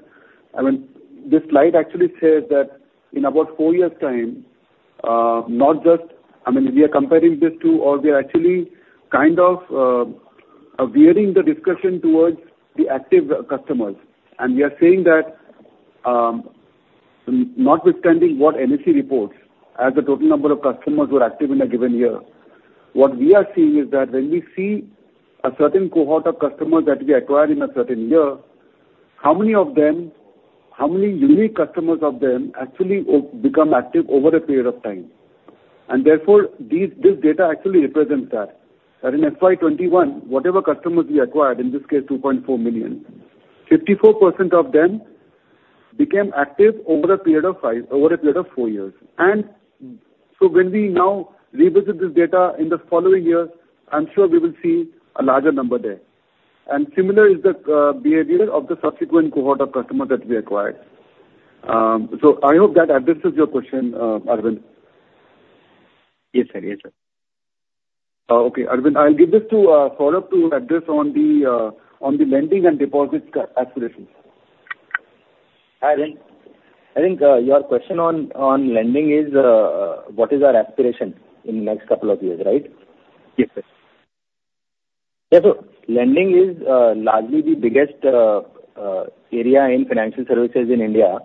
F: I mean, this slide actually says that in about four years' time, not just I mean, we are comparing this to, or we are actually kind of veering the discussion towards the active customers. And we are saying that, notwithstanding what NSE reports as the total number of customers who are active in a given year, what we are seeing is that when we see a certain cohort of customers that we acquire in a given year, how many of them, how many unique customers of them actually become active over a period of time? And therefore, this data actually represents that. That in FY 2021, whatever customers we acquired, in this case, 2.4 million, 54% of them became active over a period of four years. So when we now revisit this data in the following years, I'm sure we will see a larger number there. Similar is the behavior of the subsequent cohort of customers that we acquired. So I hope that addresses your question, Aravind.
Q: Yes, sir. Yes, sir.
F: Okay, Aravind, I'll give this to Saurabh to address on the lending and deposits aspirations.
R: Aravind, I think, your question on, on lending is, what is our aspiration in the next couple of years, right?
Q: Yes, sir.
R: Yeah, so lending is largely the biggest area in financial services in India,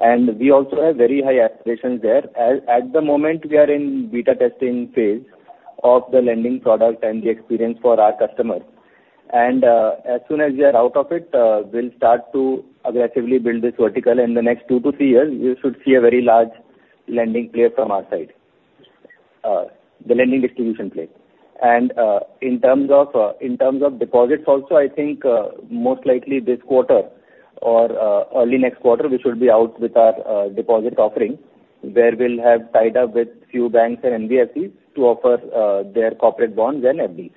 R: and we also have very high aspirations there. At the moment, we are in beta testing phase of the lending product and the experience for our customers. And as soon as we are out of it, we'll start to aggressively build this vertical. In the next two to three years, you should see a very large lending player from our side the lending distribution place. In terms of deposits also, I think most likely this quarter or early next quarter, we should be out with our deposit offering, where we'll have tied up with a few banks and NBFCs to offer their corporate bonds and FDs.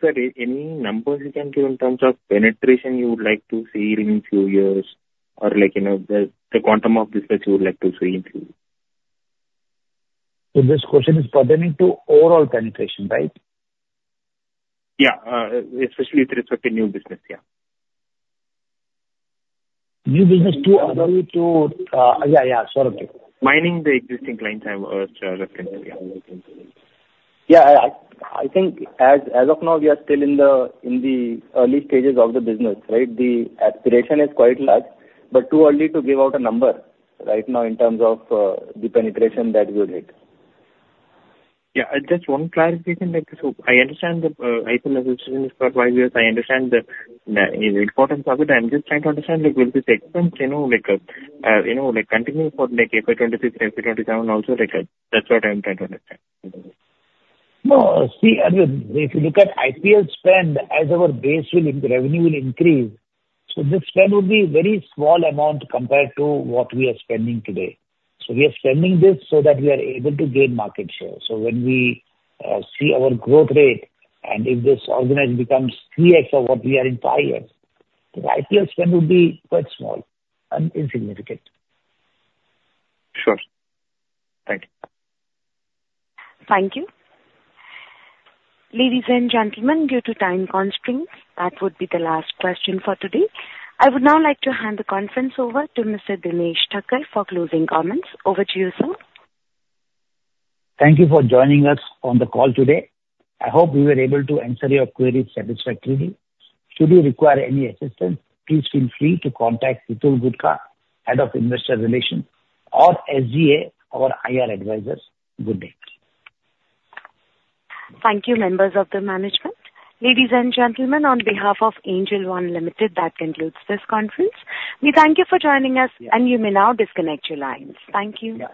Q: Sir, any numbers you can give in terms of penetration you would like to see in few years? Or like, you know, the quantum of this, that you would like to see in future.
C: This question is pertaining to overall penetration, right?
Q: Yeah. Especially with respect to new business. Yeah.
C: New business to, yeah, yeah, sure.
Q: Mining the existing client time, yeah.
R: Yeah, I think as of now, we are still in the early stages of the business, right? The aspiration is quite large, but too early to give out a number right now in terms of the penetration that we'll hit.
Q: Yeah. Just one clarification, like, so I understand the IPL association is for five years. I understand the importance of it. I'm just trying to understand, like, will this expense, you know, like, continue for, like, FY 2026, FY 2027 also, like. That's what I'm trying to understand.
C: No, see, I mean, if you look at IPL spend, as our base will, revenue will increase, so this spend will be very small amount compared to what we are spending today. So we are spending this so that we are able to gain market share. So when we, see our growth rate, and if this organization becomes 3x of what we are in five years, the IPL spend will be quite small and insignificant.
Q: Sure. Thank you.
A: Thank you. Ladies and gentlemen, due to time constraints, that would be the last question for today. I would now like to hand the conference over to Mr. Dinesh Thakkar for closing comments. Over to you, sir.
C: Thank you for joining us on the call today. I hope we were able to answer your queries satisfactorily. Should you require any assistance, please feel free to contact Hitul Gutka, Head of Investor Relations, or SGA, our IR advisors. Good day.
A: Thank you, members of the management. Ladies and gentlemen, on behalf of Angel One Limited, that concludes this conference. We thank you for joining us, and you may now disconnect your lines. Thank you.